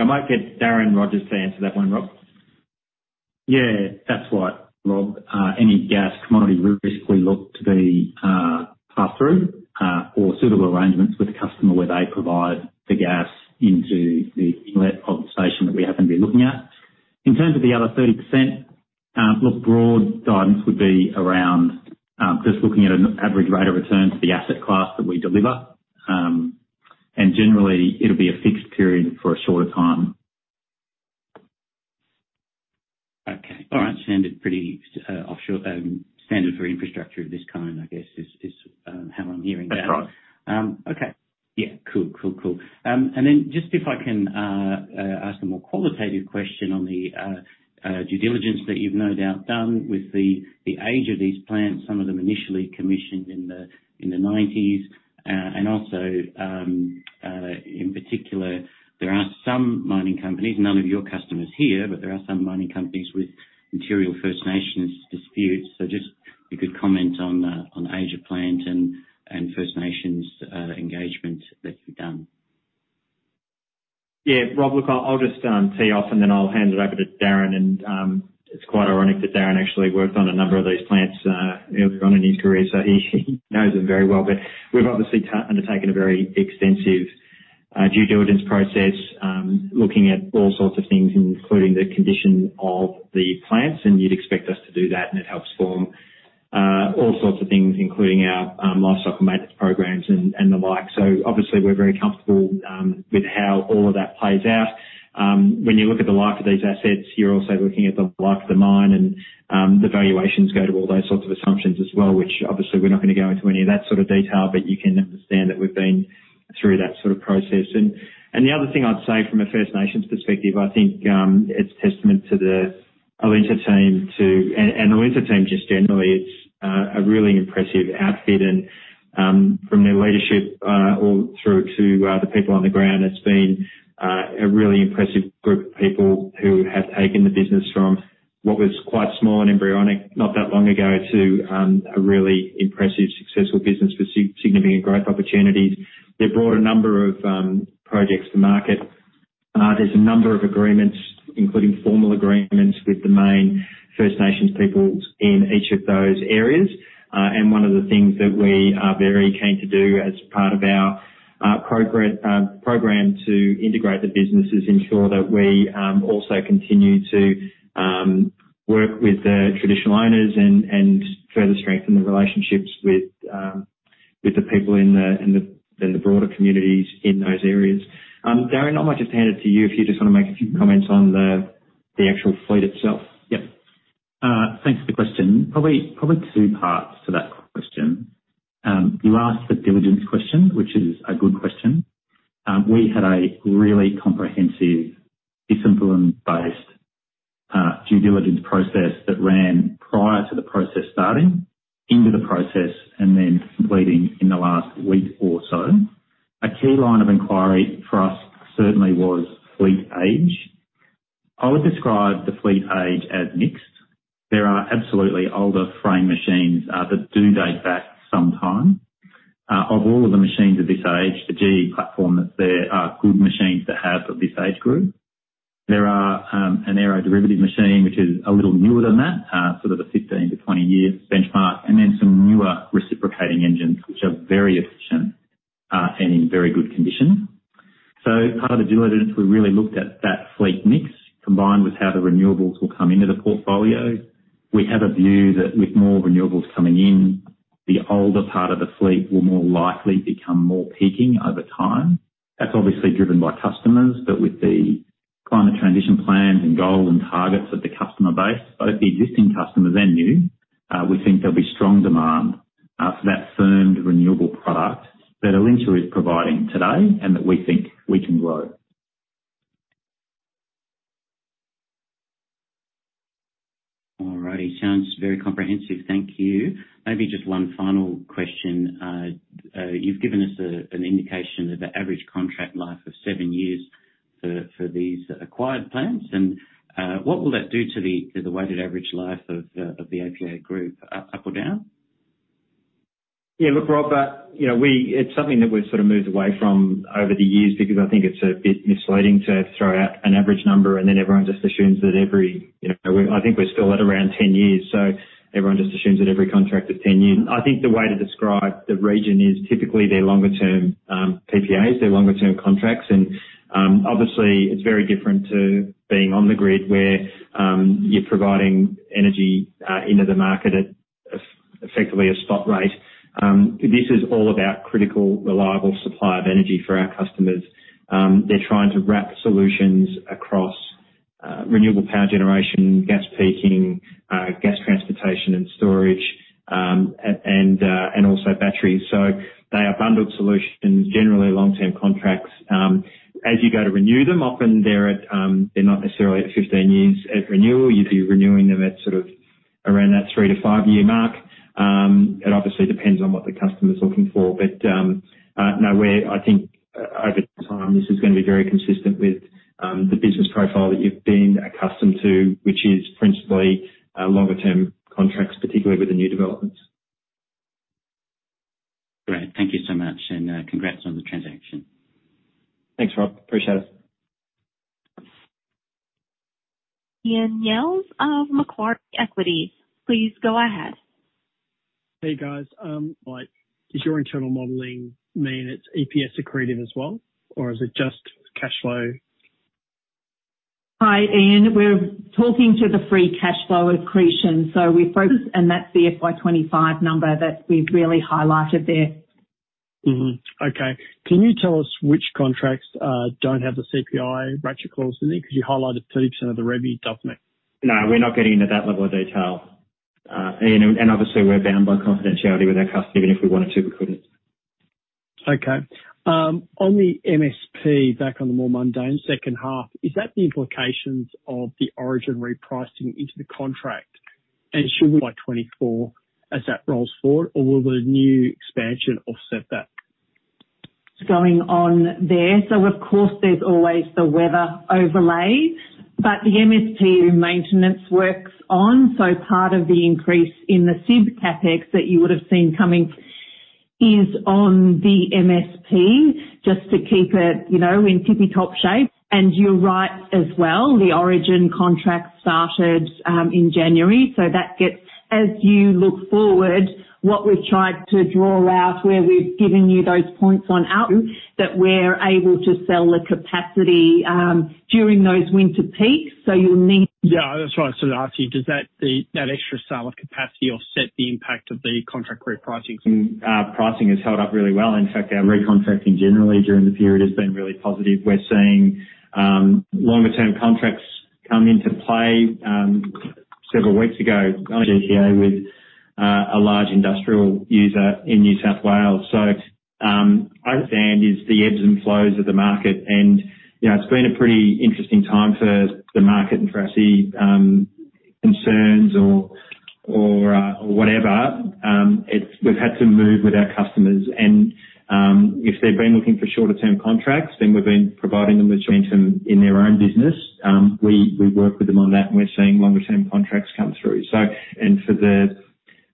I might get Darren Rogers to answer that one, Rob. Yeah, that's right, Rob. Any gas commodity risk will look to be passed through or suitable arrangements with the customer where they provide the gas into the inlet of the station that we happen to be looking at. In terms of the other 30%, look, broad guidance would be around just looking at an average rate of return for the asset class that we deliver. Generally, it'll be a fixed period for a shorter time. Okay. All right. Sounded pretty offshore, standard for infrastructure of this kind, I guess, is, is, how I'm hearing that. That's right. Okay. Yeah, cool, cool, cool. Then just if I can ask a more qualitative question on the due diligence that you've no doubt done with the age of these plants, some of them initially commissioned in the 90s. Also, in particular, there are some mining companies, none of your customers here, but there are some mining companies with Interior First Nations disputes. Just if you could comment on the, on age of plant and First Nations engagement that you've done. Yeah, Rob, look, I'll, I'll just tee off, and then I'll hand it over to Darren. It's quite ironic that Darren actually worked on a number of these plants earlier on in his career, so he, he knows them very well. We've obviously undertaken a very extensive due diligence process, looking at all sorts of things, including the condition of the plants, and you'd expect us to do that, and it helps form all sorts of things, including our lifecycle management programs and the like. Obviously, we're very comfortable with how all of that plays out. When you look at the life of these assets, you're also looking at the life of the mine and the valuations go to all those sorts of assumptions as well, which obviously we're not going to go into any of that sort of detail, but you can understand that we've been through that sort of process. The other thing I'd say from a First Nations perspective, I think, it's testament to the Alinta team and Alinta team, just generally, it's a really impressive outfit, and from their leadership all through to the people on the ground, it's been a really impressive group of people who have taken the business from what was quite small and embryonic not that long ago to a really impressive, successful business with significant growth opportunities. They brought a number of projects to market. There's a number of agreements, including formal agreements, with the main First Nations peoples in each of those areas. One of the things that we are very keen to do as part of our program to integrate the business, is ensure that we also continue to work with the traditional owners and, and further strengthen the relationships with the people in the, in the, in the broader communities in those areas. Darren, I might just hand it to you if you just want to make a few comments on the actual fleet itself. Yep. Thanks for the question. Probably, probably two parts to that question. You asked the diligence question, which is a good question. We had a really comprehensive, disciplined-based due diligence process that ran prior to the process starting, into the process, and then leading in the last week or so. A key line of inquiry for us certainly was fleet age. I would describe the fleet age as mixed. There are absolutely older frame machines that do date back some time. Of all of the machines of this age, the GE platform, that there are good machines to have of this age group. There are an aero derivative machine, which is a little newer than that, sort of a 15-20 year benchmark, and then some newer reciprocating engines, which are very efficient and in very good condition. Part of the due diligence, we really looked at that fleet mix, combined with how the renewables will come into the portfolio. We have a view that with more renewables coming in, the older part of the fleet will more likely become more peaking over time. That's obviously driven by customers, but with the climate transition plans and goals and targets of the customer base, both the existing customers and new, we think there'll be strong demand for that firmed, renewable product that Alinta is providing today, and that we think we can grow. All righty. Sounds very comprehensive. Thank you. Maybe just one final question. You've given us an indication of the average contract life of seven years for these acquired plants, and what will that do to the weighted average life of the APA Group, up or down? Yeah, look, Rob, you know, it's something that we've sort of moved away from over the years because I think it's a bit misleading to throw out an average number, and then everyone just assumes that every, you know, I think we're still at around 10 years, so everyone just assumes that every contract is 10 years. I think the way to describe the region is typically they're longer-term PPAs, they're longer-term contracts, and, obviously, it's very different to being on the grid where you're providing energy into the market at effectively a spot rate. This is all about critical, reliable supply of energy for our customers. They're trying to wrap solutions across renewable power generation, gas peaking, gas transportation and storage, and also batteries. They are bundled solutions, generally long-term contracts. As you go to renew them, often they're at... they're not necessarily at 15 years at renewal. You'd be renewing them at sort of around that three to five-year mark. It obviously depends on what the customer is looking for, but, no, we're I think over the time, this is going to be very consistent with the business profile that you've been accustomed to, which is principally, longer-term contracts, particularly with the new developments. Great. Thank you so much, and, congrats on the transaction. Thanks, Rob. Appreciate it. Ian Myles of Macquarie Equity, please go ahead. Hey, guys. Like, does your internal modeling mean it's EPS accretive as well, or is it just cash flow? Hi, Ian. We're talking to the free cash flow accretion, so we focus, and that's the FY 2025 number that we've really highlighted there. Mm-hmm. Okay. Can you tell us which contracts don't have the CPI ratchet clause in there? You highlighted 30% of the revenue doesn't it? No, we're not getting into that level of detail. Ian, obviously, we're bound by confidentiality with our customer. Even if we wanted to, we couldn't. Okay. On the MSP, back on the more mundane second half, is that the implications of the Origin repricing into the contract and should by 2024 as that rolls forward, or will the new expansion offset that? Going on there. Of course, there's always the weather overlay. The MSP maintenance works on. Part of the increase in the SIB CapEx that you would have seen is on the MSP, just to keep it, you know, in tippy-top shape. You're right as well. The Origin contract started in January. As you look forward, what we've tried to draw out, where we've given you those points on out, that we're able to sell the capacity during those winter peaks, you'll need. That's what I was going to ask you. Does that, that extra sale of capacity offset the impact of the contract repricing? Our pricing has held up really well. In fact, our recontracting generally during the period has been really positive. We're seeing longer-term contracts come into play several weeks ago, with a large industrial user in New South Wales. I understand it's the ebbs and flows of the market, and, you know, it's been a pretty interesting time for the market and for us. See, concerns or, or whatever, it's we've had to move with our customers, and if they've been looking for shorter-term contracts, then we've been providing them with momentum in their own business. We, we work with them on that, and we're seeing longer-term contracts come through. For the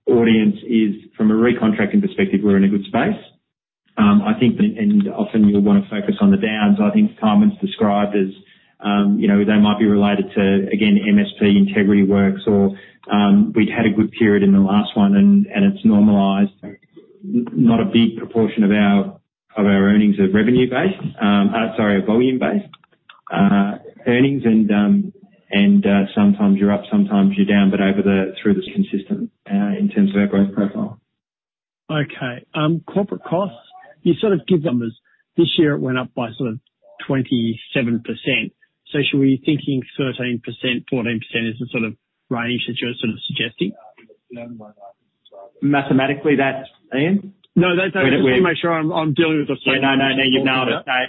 audience is, from a recontracting perspective, we're in a good space. I think, and, and often you'll want to focus on the downs. I think Carmen's described as, you know, they might be related to, again, MSP integrity works or, we'd had a good period in the last one, and it's normalized. Not a big proportion of our, of our earnings are revenue-based, sorry, volume-based, earnings, and, sometimes you're up, sometimes you're down, but over the, through the consistent, in terms of our growth profile. Okay. corporate costs, you sort of give numbers. This year, it went up by sort of 27%. Should we be thinking 13%, 14% as the sort of range that you're sort of suggesting? Mathematically, that... Ian? No, that's okay. Make sure I'm, I'm dealing with the- Yeah. No, no, no, you nailed it. No,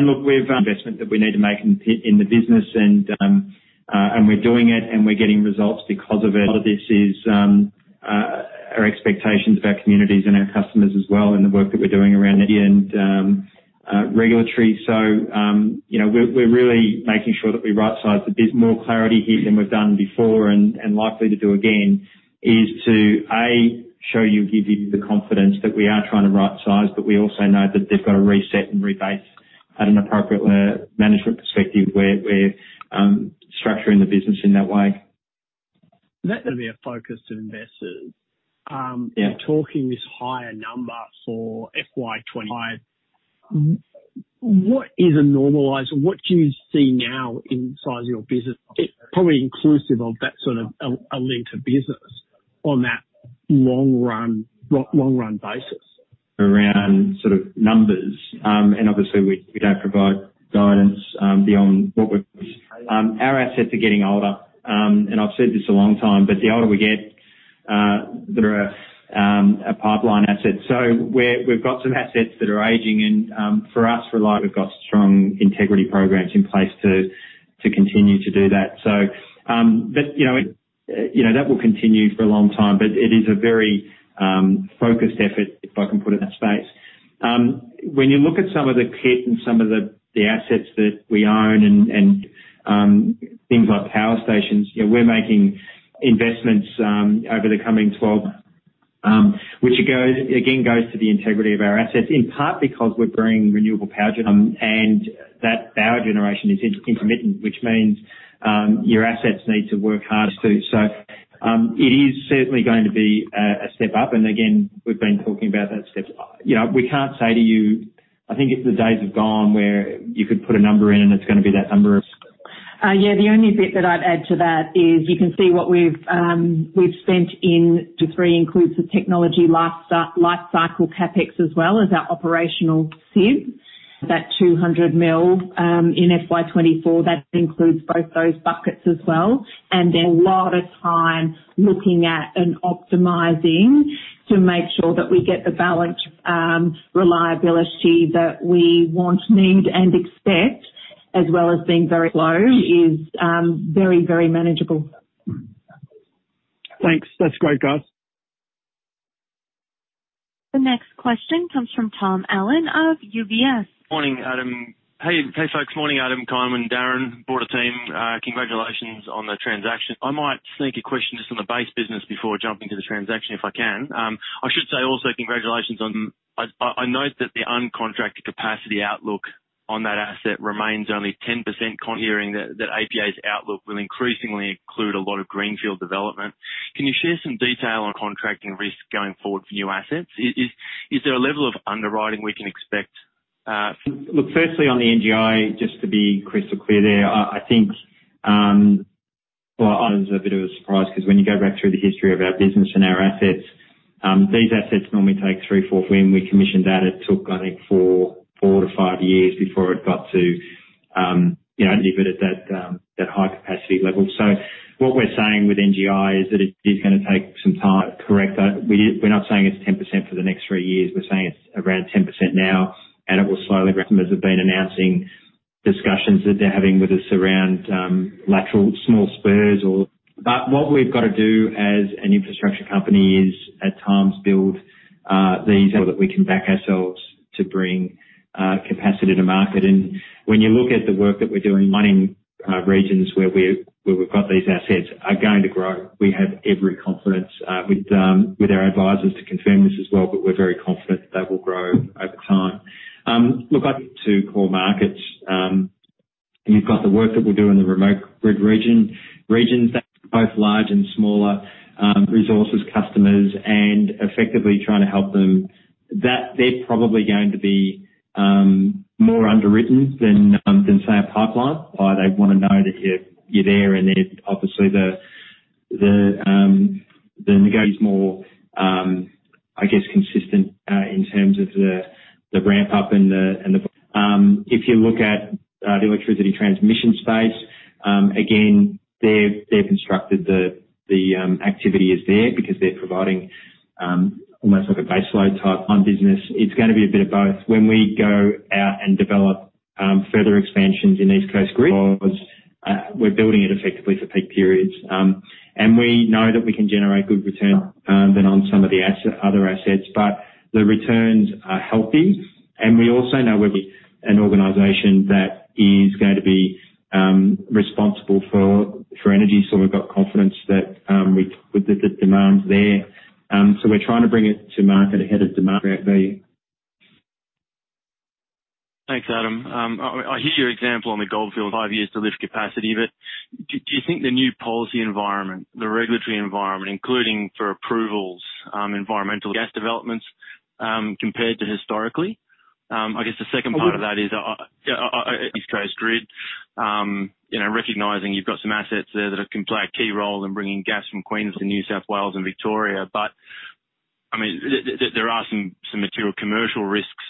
no. Look, we've investment that we need to make in, in the business, and we're doing it, and we're getting results because of it. A lot of this is our expectations of our communities and our customers as well, and the work that we're doing around it and regulatory. You know, we're, we're really making sure that we right-size more clarity here than we've done before and, and likely to do again, is to, A, show you, give you the confidence that we are trying to right-size, but we also know that they've got to reset and rebase at an appropriate management perspective, where we're structuring the business in that way. That will be a focus to investors. Yeah. In talking this higher number for FY 2025, what is a normalized... What do you see now in size of your business? It probably inclusive of that sort of Alinta business on that long run, long run basis. Around sort of numbers, obviously we, we don't provide guidance beyond what we've. Our assets are getting older. I've said this a long time, but the older we get, there are a pipeline asset. We've got some assets that are aging and, for us, like we've got strong integrity programs in place to, to continue to do that. You know, you know, that will continue for a long time, but it is a very focused effort, if I can put it in that space. When you look at some of the kit and some of the, the assets that we own and, and, things like power stations, you know, we're making investments over the coming 12, which goes, again, goes to the integrity of our assets, in part because we're growing renewable power, and that power generation is intermittent, which means your assets need to work hard, too. It is certainly going to be a step up, and again, we've been talking about that step. You know, we can't say to you. I think it's the days of gone, where you could put a number in, and it's going to be that number of. Yeah, the only bit that I'd add to that is you can see what we've, we've spent in. Three includes the technology life cycle, life cycle, CapEx as well as our operational SIB CapEx. That 200 million, in FY 2024, that includes both those buckets as well, and a lot of time looking at and optimizing to make sure that we get the balance, reliability that we want, need, and expect, as well as being very low, is, very, very manageable. Thanks. That's great, guys. The next question comes from Tom Allen of UBS. Morning, Adam. Hey, hey, folks. Morning, Adam, Carmen, Darren, broader team. Congratulations on the transaction. I might sneak a question just on the base business before jumping to the transaction, if I can. I should say also congratulations on... I, I, I note that the uncontracted capacity outlook on that asset remains only 10%. Hearing that, that APA's outlook will increasingly include a lot of greenfield development. Can you share some detail on contracting risk going forward for new assets? Is, is, is there a level of underwriting we can expect? Look, firstly, on the NGI, just to be crystal clear there, I think, well, I was a bit of a surprise because when you go back through the history of our business and our assets, these assets normally take three, four... When we commissioned that, it took, I think, four to five years before it got to, you know, deliver it at that high capacity level. What we're saying with NGI is that it is going to take some time, correct that. We're not saying it's 10% for the next three years. We're saying it's around 10% now, and it will slowly rise. As we've been announcing discussions that they're having with us around lateral small spurs or... What we've got to do as an infrastructure company is, at times, build these so that we can back ourselves, to bring capacity to market. When you look at the work that we're doing, mining regions where we've got these assets are going to grow. We have every confidence with our advisors to confirm this as well, but we're very confident that they will grow over time. Look up to core markets, and you've got the work that we do in the remote grid regions that both large and smaller resources, customers, and effectively trying to help them. They're probably going to be more underwritten than, say, a pipeline. They wanna know that you're, you're there, and then, obviously, the, the, the negotiate is more, I guess, consistent, in terms of the, the ramp up and the, and the, if you look at the electricity transmission space, again, they've, they've constructed the, the, activity is there because they're providing, almost like a baseload type on business. It's gonna be a bit of both. When we go out and develop further expansions in East Coast Grid, because we're building it effectively for peak periods. And we know that we can generate good return, than on some of the asset, other assets, but the returns are healthy, and we also know we'll be an organization that is going to be responsible for, for energy, so we've got confidence that the demand is there. We're trying to bring it to market ahead of demand value. Thanks, Adam. I, I hear your example on the Goldfields, five years to lift capacity, but do, do you think the new policy environment, the regulatory environment, including for approvals, environmental gas developments, compared to historically? I guess the second part of that is, yeah, East Coast Grid, you know, recognizing you've got some assets there that can play a key role in bringing gas from Queensland to New South Wales and Victoria. I mean, there are some material commercial risks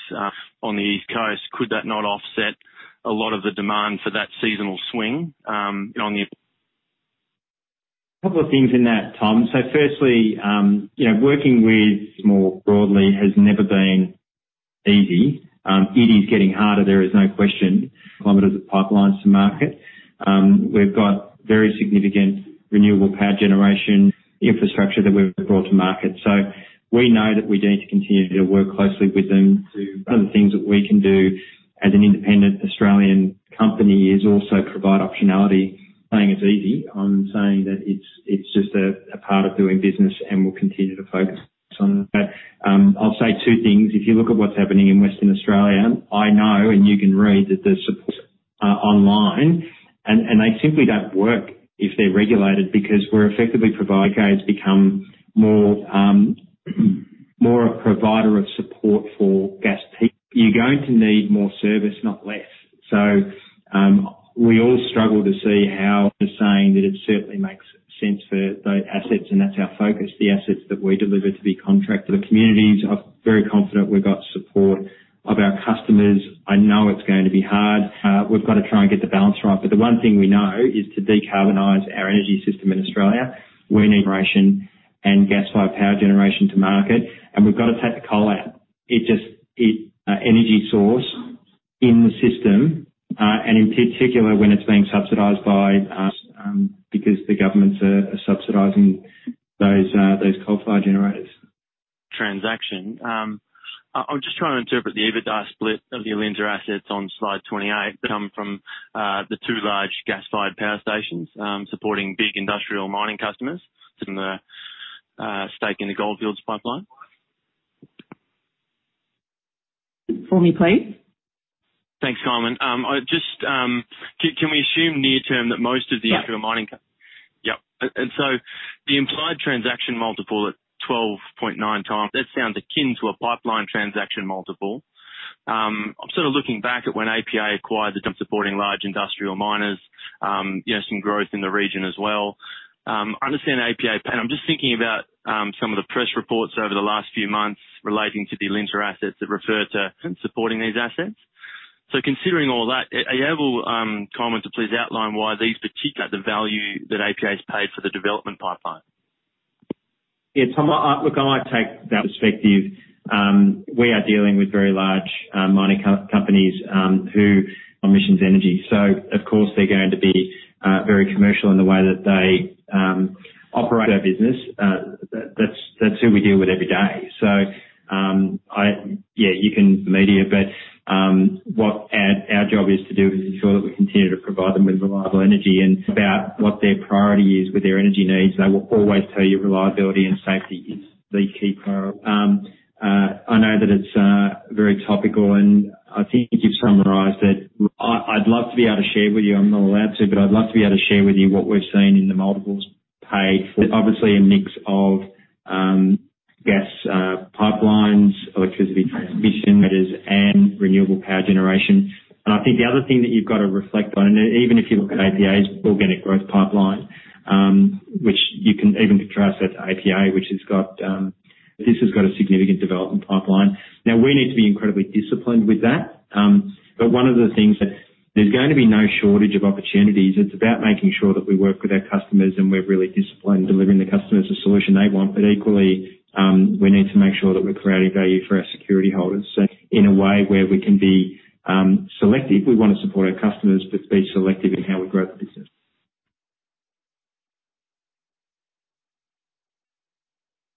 on the East Coast. Could that not offset a lot of the demand for that seasonal swing, on the- A couple of things in that, Tom. Firstly, you know, working with more broadly has never been easy. It is getting harder, there is no question. Kilometers of pipelines to market. We've got very significant renewable power generation infrastructure that we've brought to market. We know that we need to continue to work closely with them to... Other things that we can do as an independent Australian company is also provide optionality. Saying it's easy, I'm saying that it's, it's just a, a part of doing business, and we'll continue to focus on that. I'll say two things. If you look at what's happening in Western Australia, I know, and you can read, that the support, online, and, and they simply don't work if they're regulated, because we're effectively providing guides become more, more a provider of support for gas peak. You're going to need more service, not less. We all struggle to see how the saying that it certainly makes sense for those assets, and that's our focus, the assets that we deliver to be contracted. The communities are very confident we've got support of our customers. I know it's going to be hard. We've got to try and get the balance right, but the one thing we know is to decarbonize our energy system in Australia, we need generation and gas-fired power generation to market, and we've got to take the coal out. It just, it, energy source in the system, and in particular, when it's being subsidized by, because the governments are, are subsidizing those, those coal-fired generators. Transaction. I'm just trying to interpret the EBITDA split of the Alinta assets on slide 28, come from the two large gas-fired power stations, supporting big industrial mining customers in the stake in the Goldfields pipeline. For me, please. Thanks, Carmen. I just, can we assume near term that most of the actual mining- Yeah. Yep. So the implied transaction multiple at 12.9x, that sounds akin to a pipeline transaction multiple. I'm sort of looking back at when APA acquired the supporting large industrial miners, you know, some growth in the region as well. I understand APA, and I'm just thinking about, some of the press reports over the last few months relating to the Alinta Energy assets that refer to supporting these assets. Considering all that, are you able, Carmen, to please outline why these particular, the value that APA has paid for the development pipeline? Yeah, Tom, I, look, I might take that perspective. We are dealing with very large mining companies, who emissions energy. Of course, they're going to be very commercial in the way that they operate their business. That's who we deal with every day. Yeah, you can media, but what our job is to do is ensure that we continue to provide them with reliable energy and about what their priority is with their energy needs. They will always tell you reliability and safety is the key priority. I know that it's very topical, and I think you've summarized that. I'd love to be able to share with you, I'm not allowed to, but I'd love to be able to share with you what we've seen in the multiples paid for. Obviously, a mix of gas pipelines, electricity transmission, that is, and renewable power generation. I think the other thing that you've got to reflect on, and even if you look at APA's organic growth pipeline, which you can even track that to APA, which has got, this has got a significant development pipeline. We need to be incredibly disciplined with that. One of the things that there's going to be no shortage of opportunities, it's about making sure that we work with our customers, and we're really disciplined, delivering the customers the solution they want. Equally, we need to make sure that we're creating value for our security holders. In a way where we can be selective, we wanna support our customers, but be selective in how we grow the business.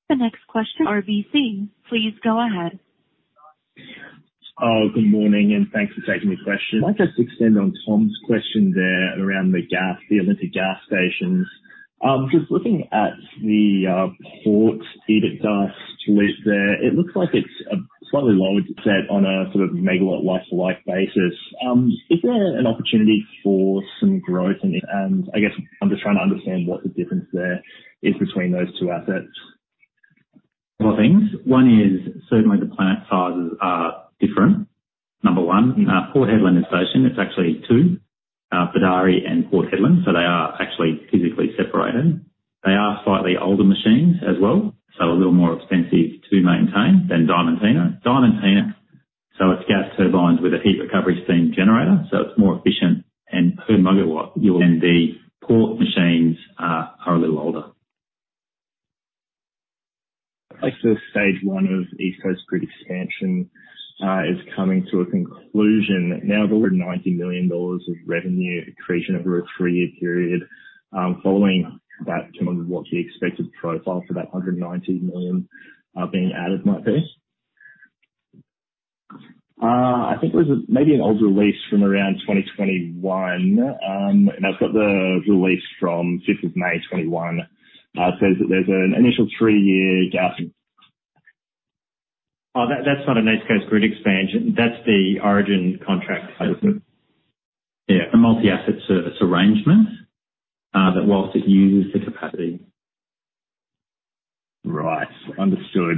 The next question, RBC, please go ahead. Oh, good morning, and thanks for taking the question. I'd like just to extend on Tom's question there around the gas, the Diamantina power stations. Just looking at the per EBITDA split there, it looks like it's a slightly lower set on a sort of megawatt life-to-life basis. Is there an opportunity for some growth? I guess I'm just trying to understand what the difference there is between those two assets. A couple of things. One is, certainly the planet sizes are different. Number one, Port Hedland station, it's actually two, Pardoo and Port Hedland, so they are actually physically separated. They are slightly older machines as well, so a little more expensive to maintain than Diamantina. Diamantina, so it's gas turbines with a heat recovery steam generator, so it's more efficient and per megawatt, and the Port machines are a little older. Like the stage one of East Coast Grid Expansion is coming to a conclusion. Now, over 90 million dollars of revenue accretion over a three-year period. Following that, what the expected profile for that 190 million being added might be? I think there was a, maybe an old release from around 2021, and I've got the release from 5th of May 2021. It says that there's an initial three-year gas- That, that's not an East Coast Grid Expansion. That's the Origin contract. Okay. Yeah, a multi-asset service arrangement, that whilst it uses the capacity. Right. Understood.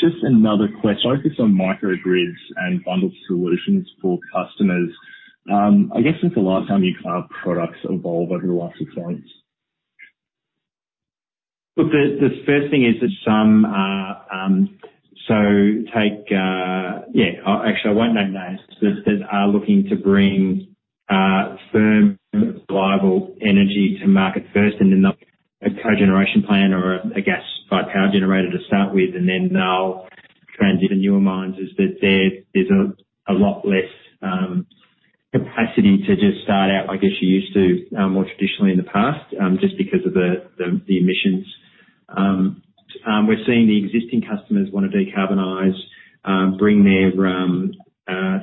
Just another question. I focus on microgrids and bundled solutions for customers. I guess it's the last time you've, products evolved over the last six months? Look, the first thing is that some, Yeah, actually, I won't name names, but that are looking to bring firm reliable energy to market first and then not a cogeneration plan or a gas-like power generator to start with, and then they'll transit the newer mines is that there is a lot less capacity to just start out, I guess, you used to more traditionally in the past, just because of the emissions. We're seeing the existing customers want to decarbonize, bring their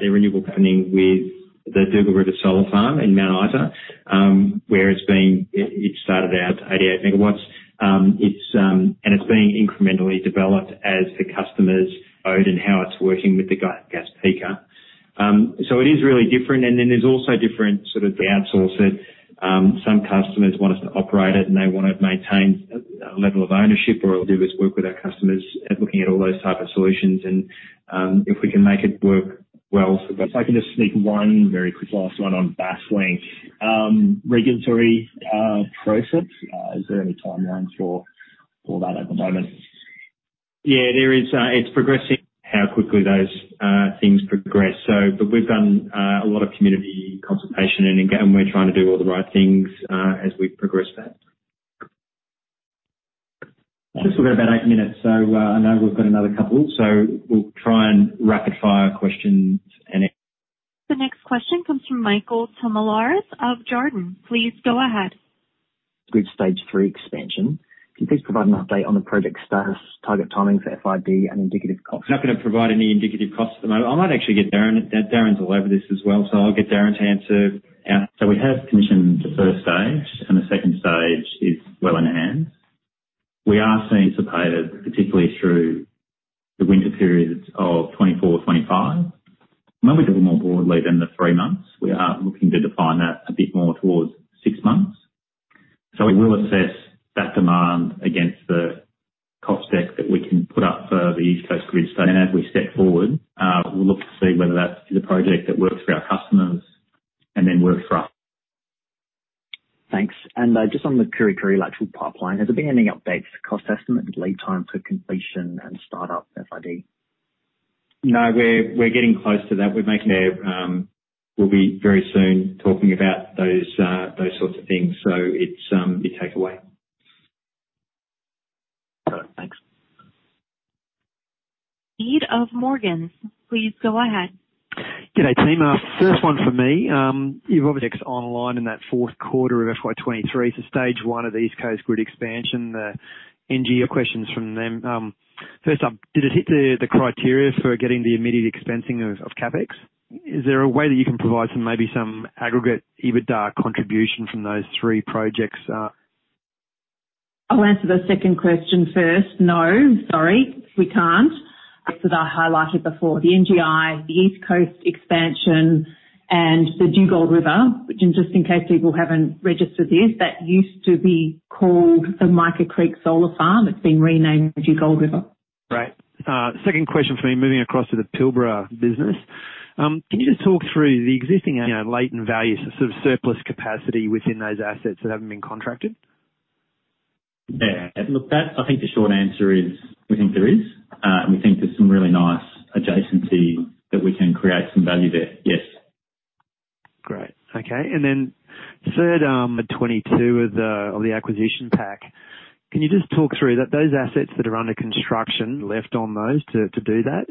renewable company with the Dugald River Solar Farm in Mount Isa, where it's been, it started out 88 MW. It's and it's being incrementally developed as the customers owed and how it's working with the gas peaker. It is really different, and then there's also different sort of the outsource that, some customers want us to operate it, and they want to maintain a level of ownership, or we'll do this work with our customers at looking at all those type of solutions, and, if we can make it work well. If I can just sneak one very quick last one on Basslink. Regulatory process, is there any timelines for, for that at the moment? Yeah, there is. It's progressing how quickly those things progress. But we've done a lot of community consultation and engagement, and we're trying to do all the right things, as we progress that. I think we've got about eight minutes. I know we've got another couple, so we'll try and rapid-fire questions. The next question comes from Michael Thomolaris of Jarden. Please go ahead. Grid stage three expansion. Can you please provide an update on the project status, target timings, FID, and indicative costs? I'm not going to provide any indicative costs at the moment. I might actually get Darren. Darren's all over this as well, so I'll get Darren to answer. We have commissioned the first stage, and the second stage is well in hand. We are seeing particularly through the winter periods of 2024, 2025. When we look more broadly than the three months, we are looking to define that a bit more towards six months. We will assess that demand against the cost deck that we can put up for the East Coast grid. As we step forward, we'll look to see whether that is a project that works for our customers and then works for us. Thanks. Just on the Kurri Kurri Lateral Pipeline, has there been any updates, cost estimate, and lead time to completion and start up FID? No, we're, we're getting close to that. We're making there, we'll be very soon talking about those, those sorts of things. It's, you take away. Got it. Thanks. Ed of Morgans, please go ahead. G'day, team. First one for me. You've obviously online in that 4th quarter of FY 2023 to stage one of the East Coast Grid expansion, the NGI, your questions from them. First up, did it hit the criteria for getting the immediate expensing of CapEx? Is there a way that you can provide some, maybe some aggregate EBITDA contribution from those three projects? I'll answer the second question first. No, sorry, we can't. As I highlighted before, the NGI, the East Coast expansion, and the Dugald River, which in just in case people haven't registered this, that used to be called the Mica Creek Solar Farm. It's been renamed Dugald River. Great. Second question for me, moving across to the Pilbara business. Can you just talk through the existing, latent values, sort of surplus capacity within those assets that haven't been contracted? Yeah. Look, I think the short answer is, we think there is, and we think there's some really nice adjacency that we can create some value there. Yes. Great. Okay, then third, 2022 of the, of the acquisition pack, can you just talk through that those assets that are under construction left on those to, to do that?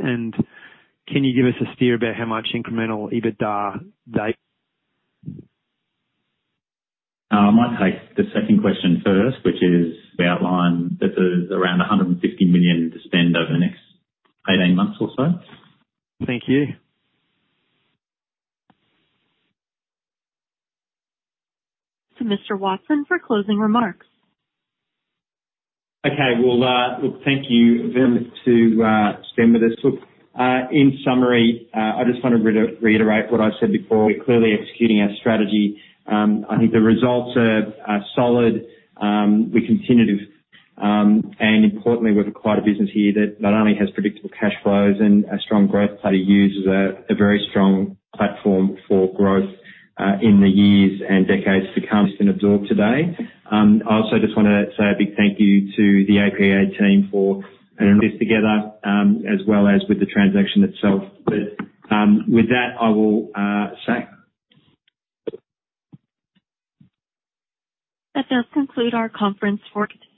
Can you give us a steer about how much incremental EBITDA they- I might take the second question first, which is we outlined that there's around 150 million to spend over the next 18 months or so. Thank you. Mr. Watson, for closing remarks. Okay, well, thank you. To stem with this. In summary, I just want to reiterate what I said before. We're clearly executing our strategy. I think the results are solid, we continue to, and importantly, we've acquired a business here that not only has predictable cash flows and a strong growth play, uses a very strong platform for growth in the years and decades to come and absorb today. I also just wanna say a big thank you to the APA team for, putting this together, as well as with the transaction itself. With that, I will say... That does conclude our conference for today.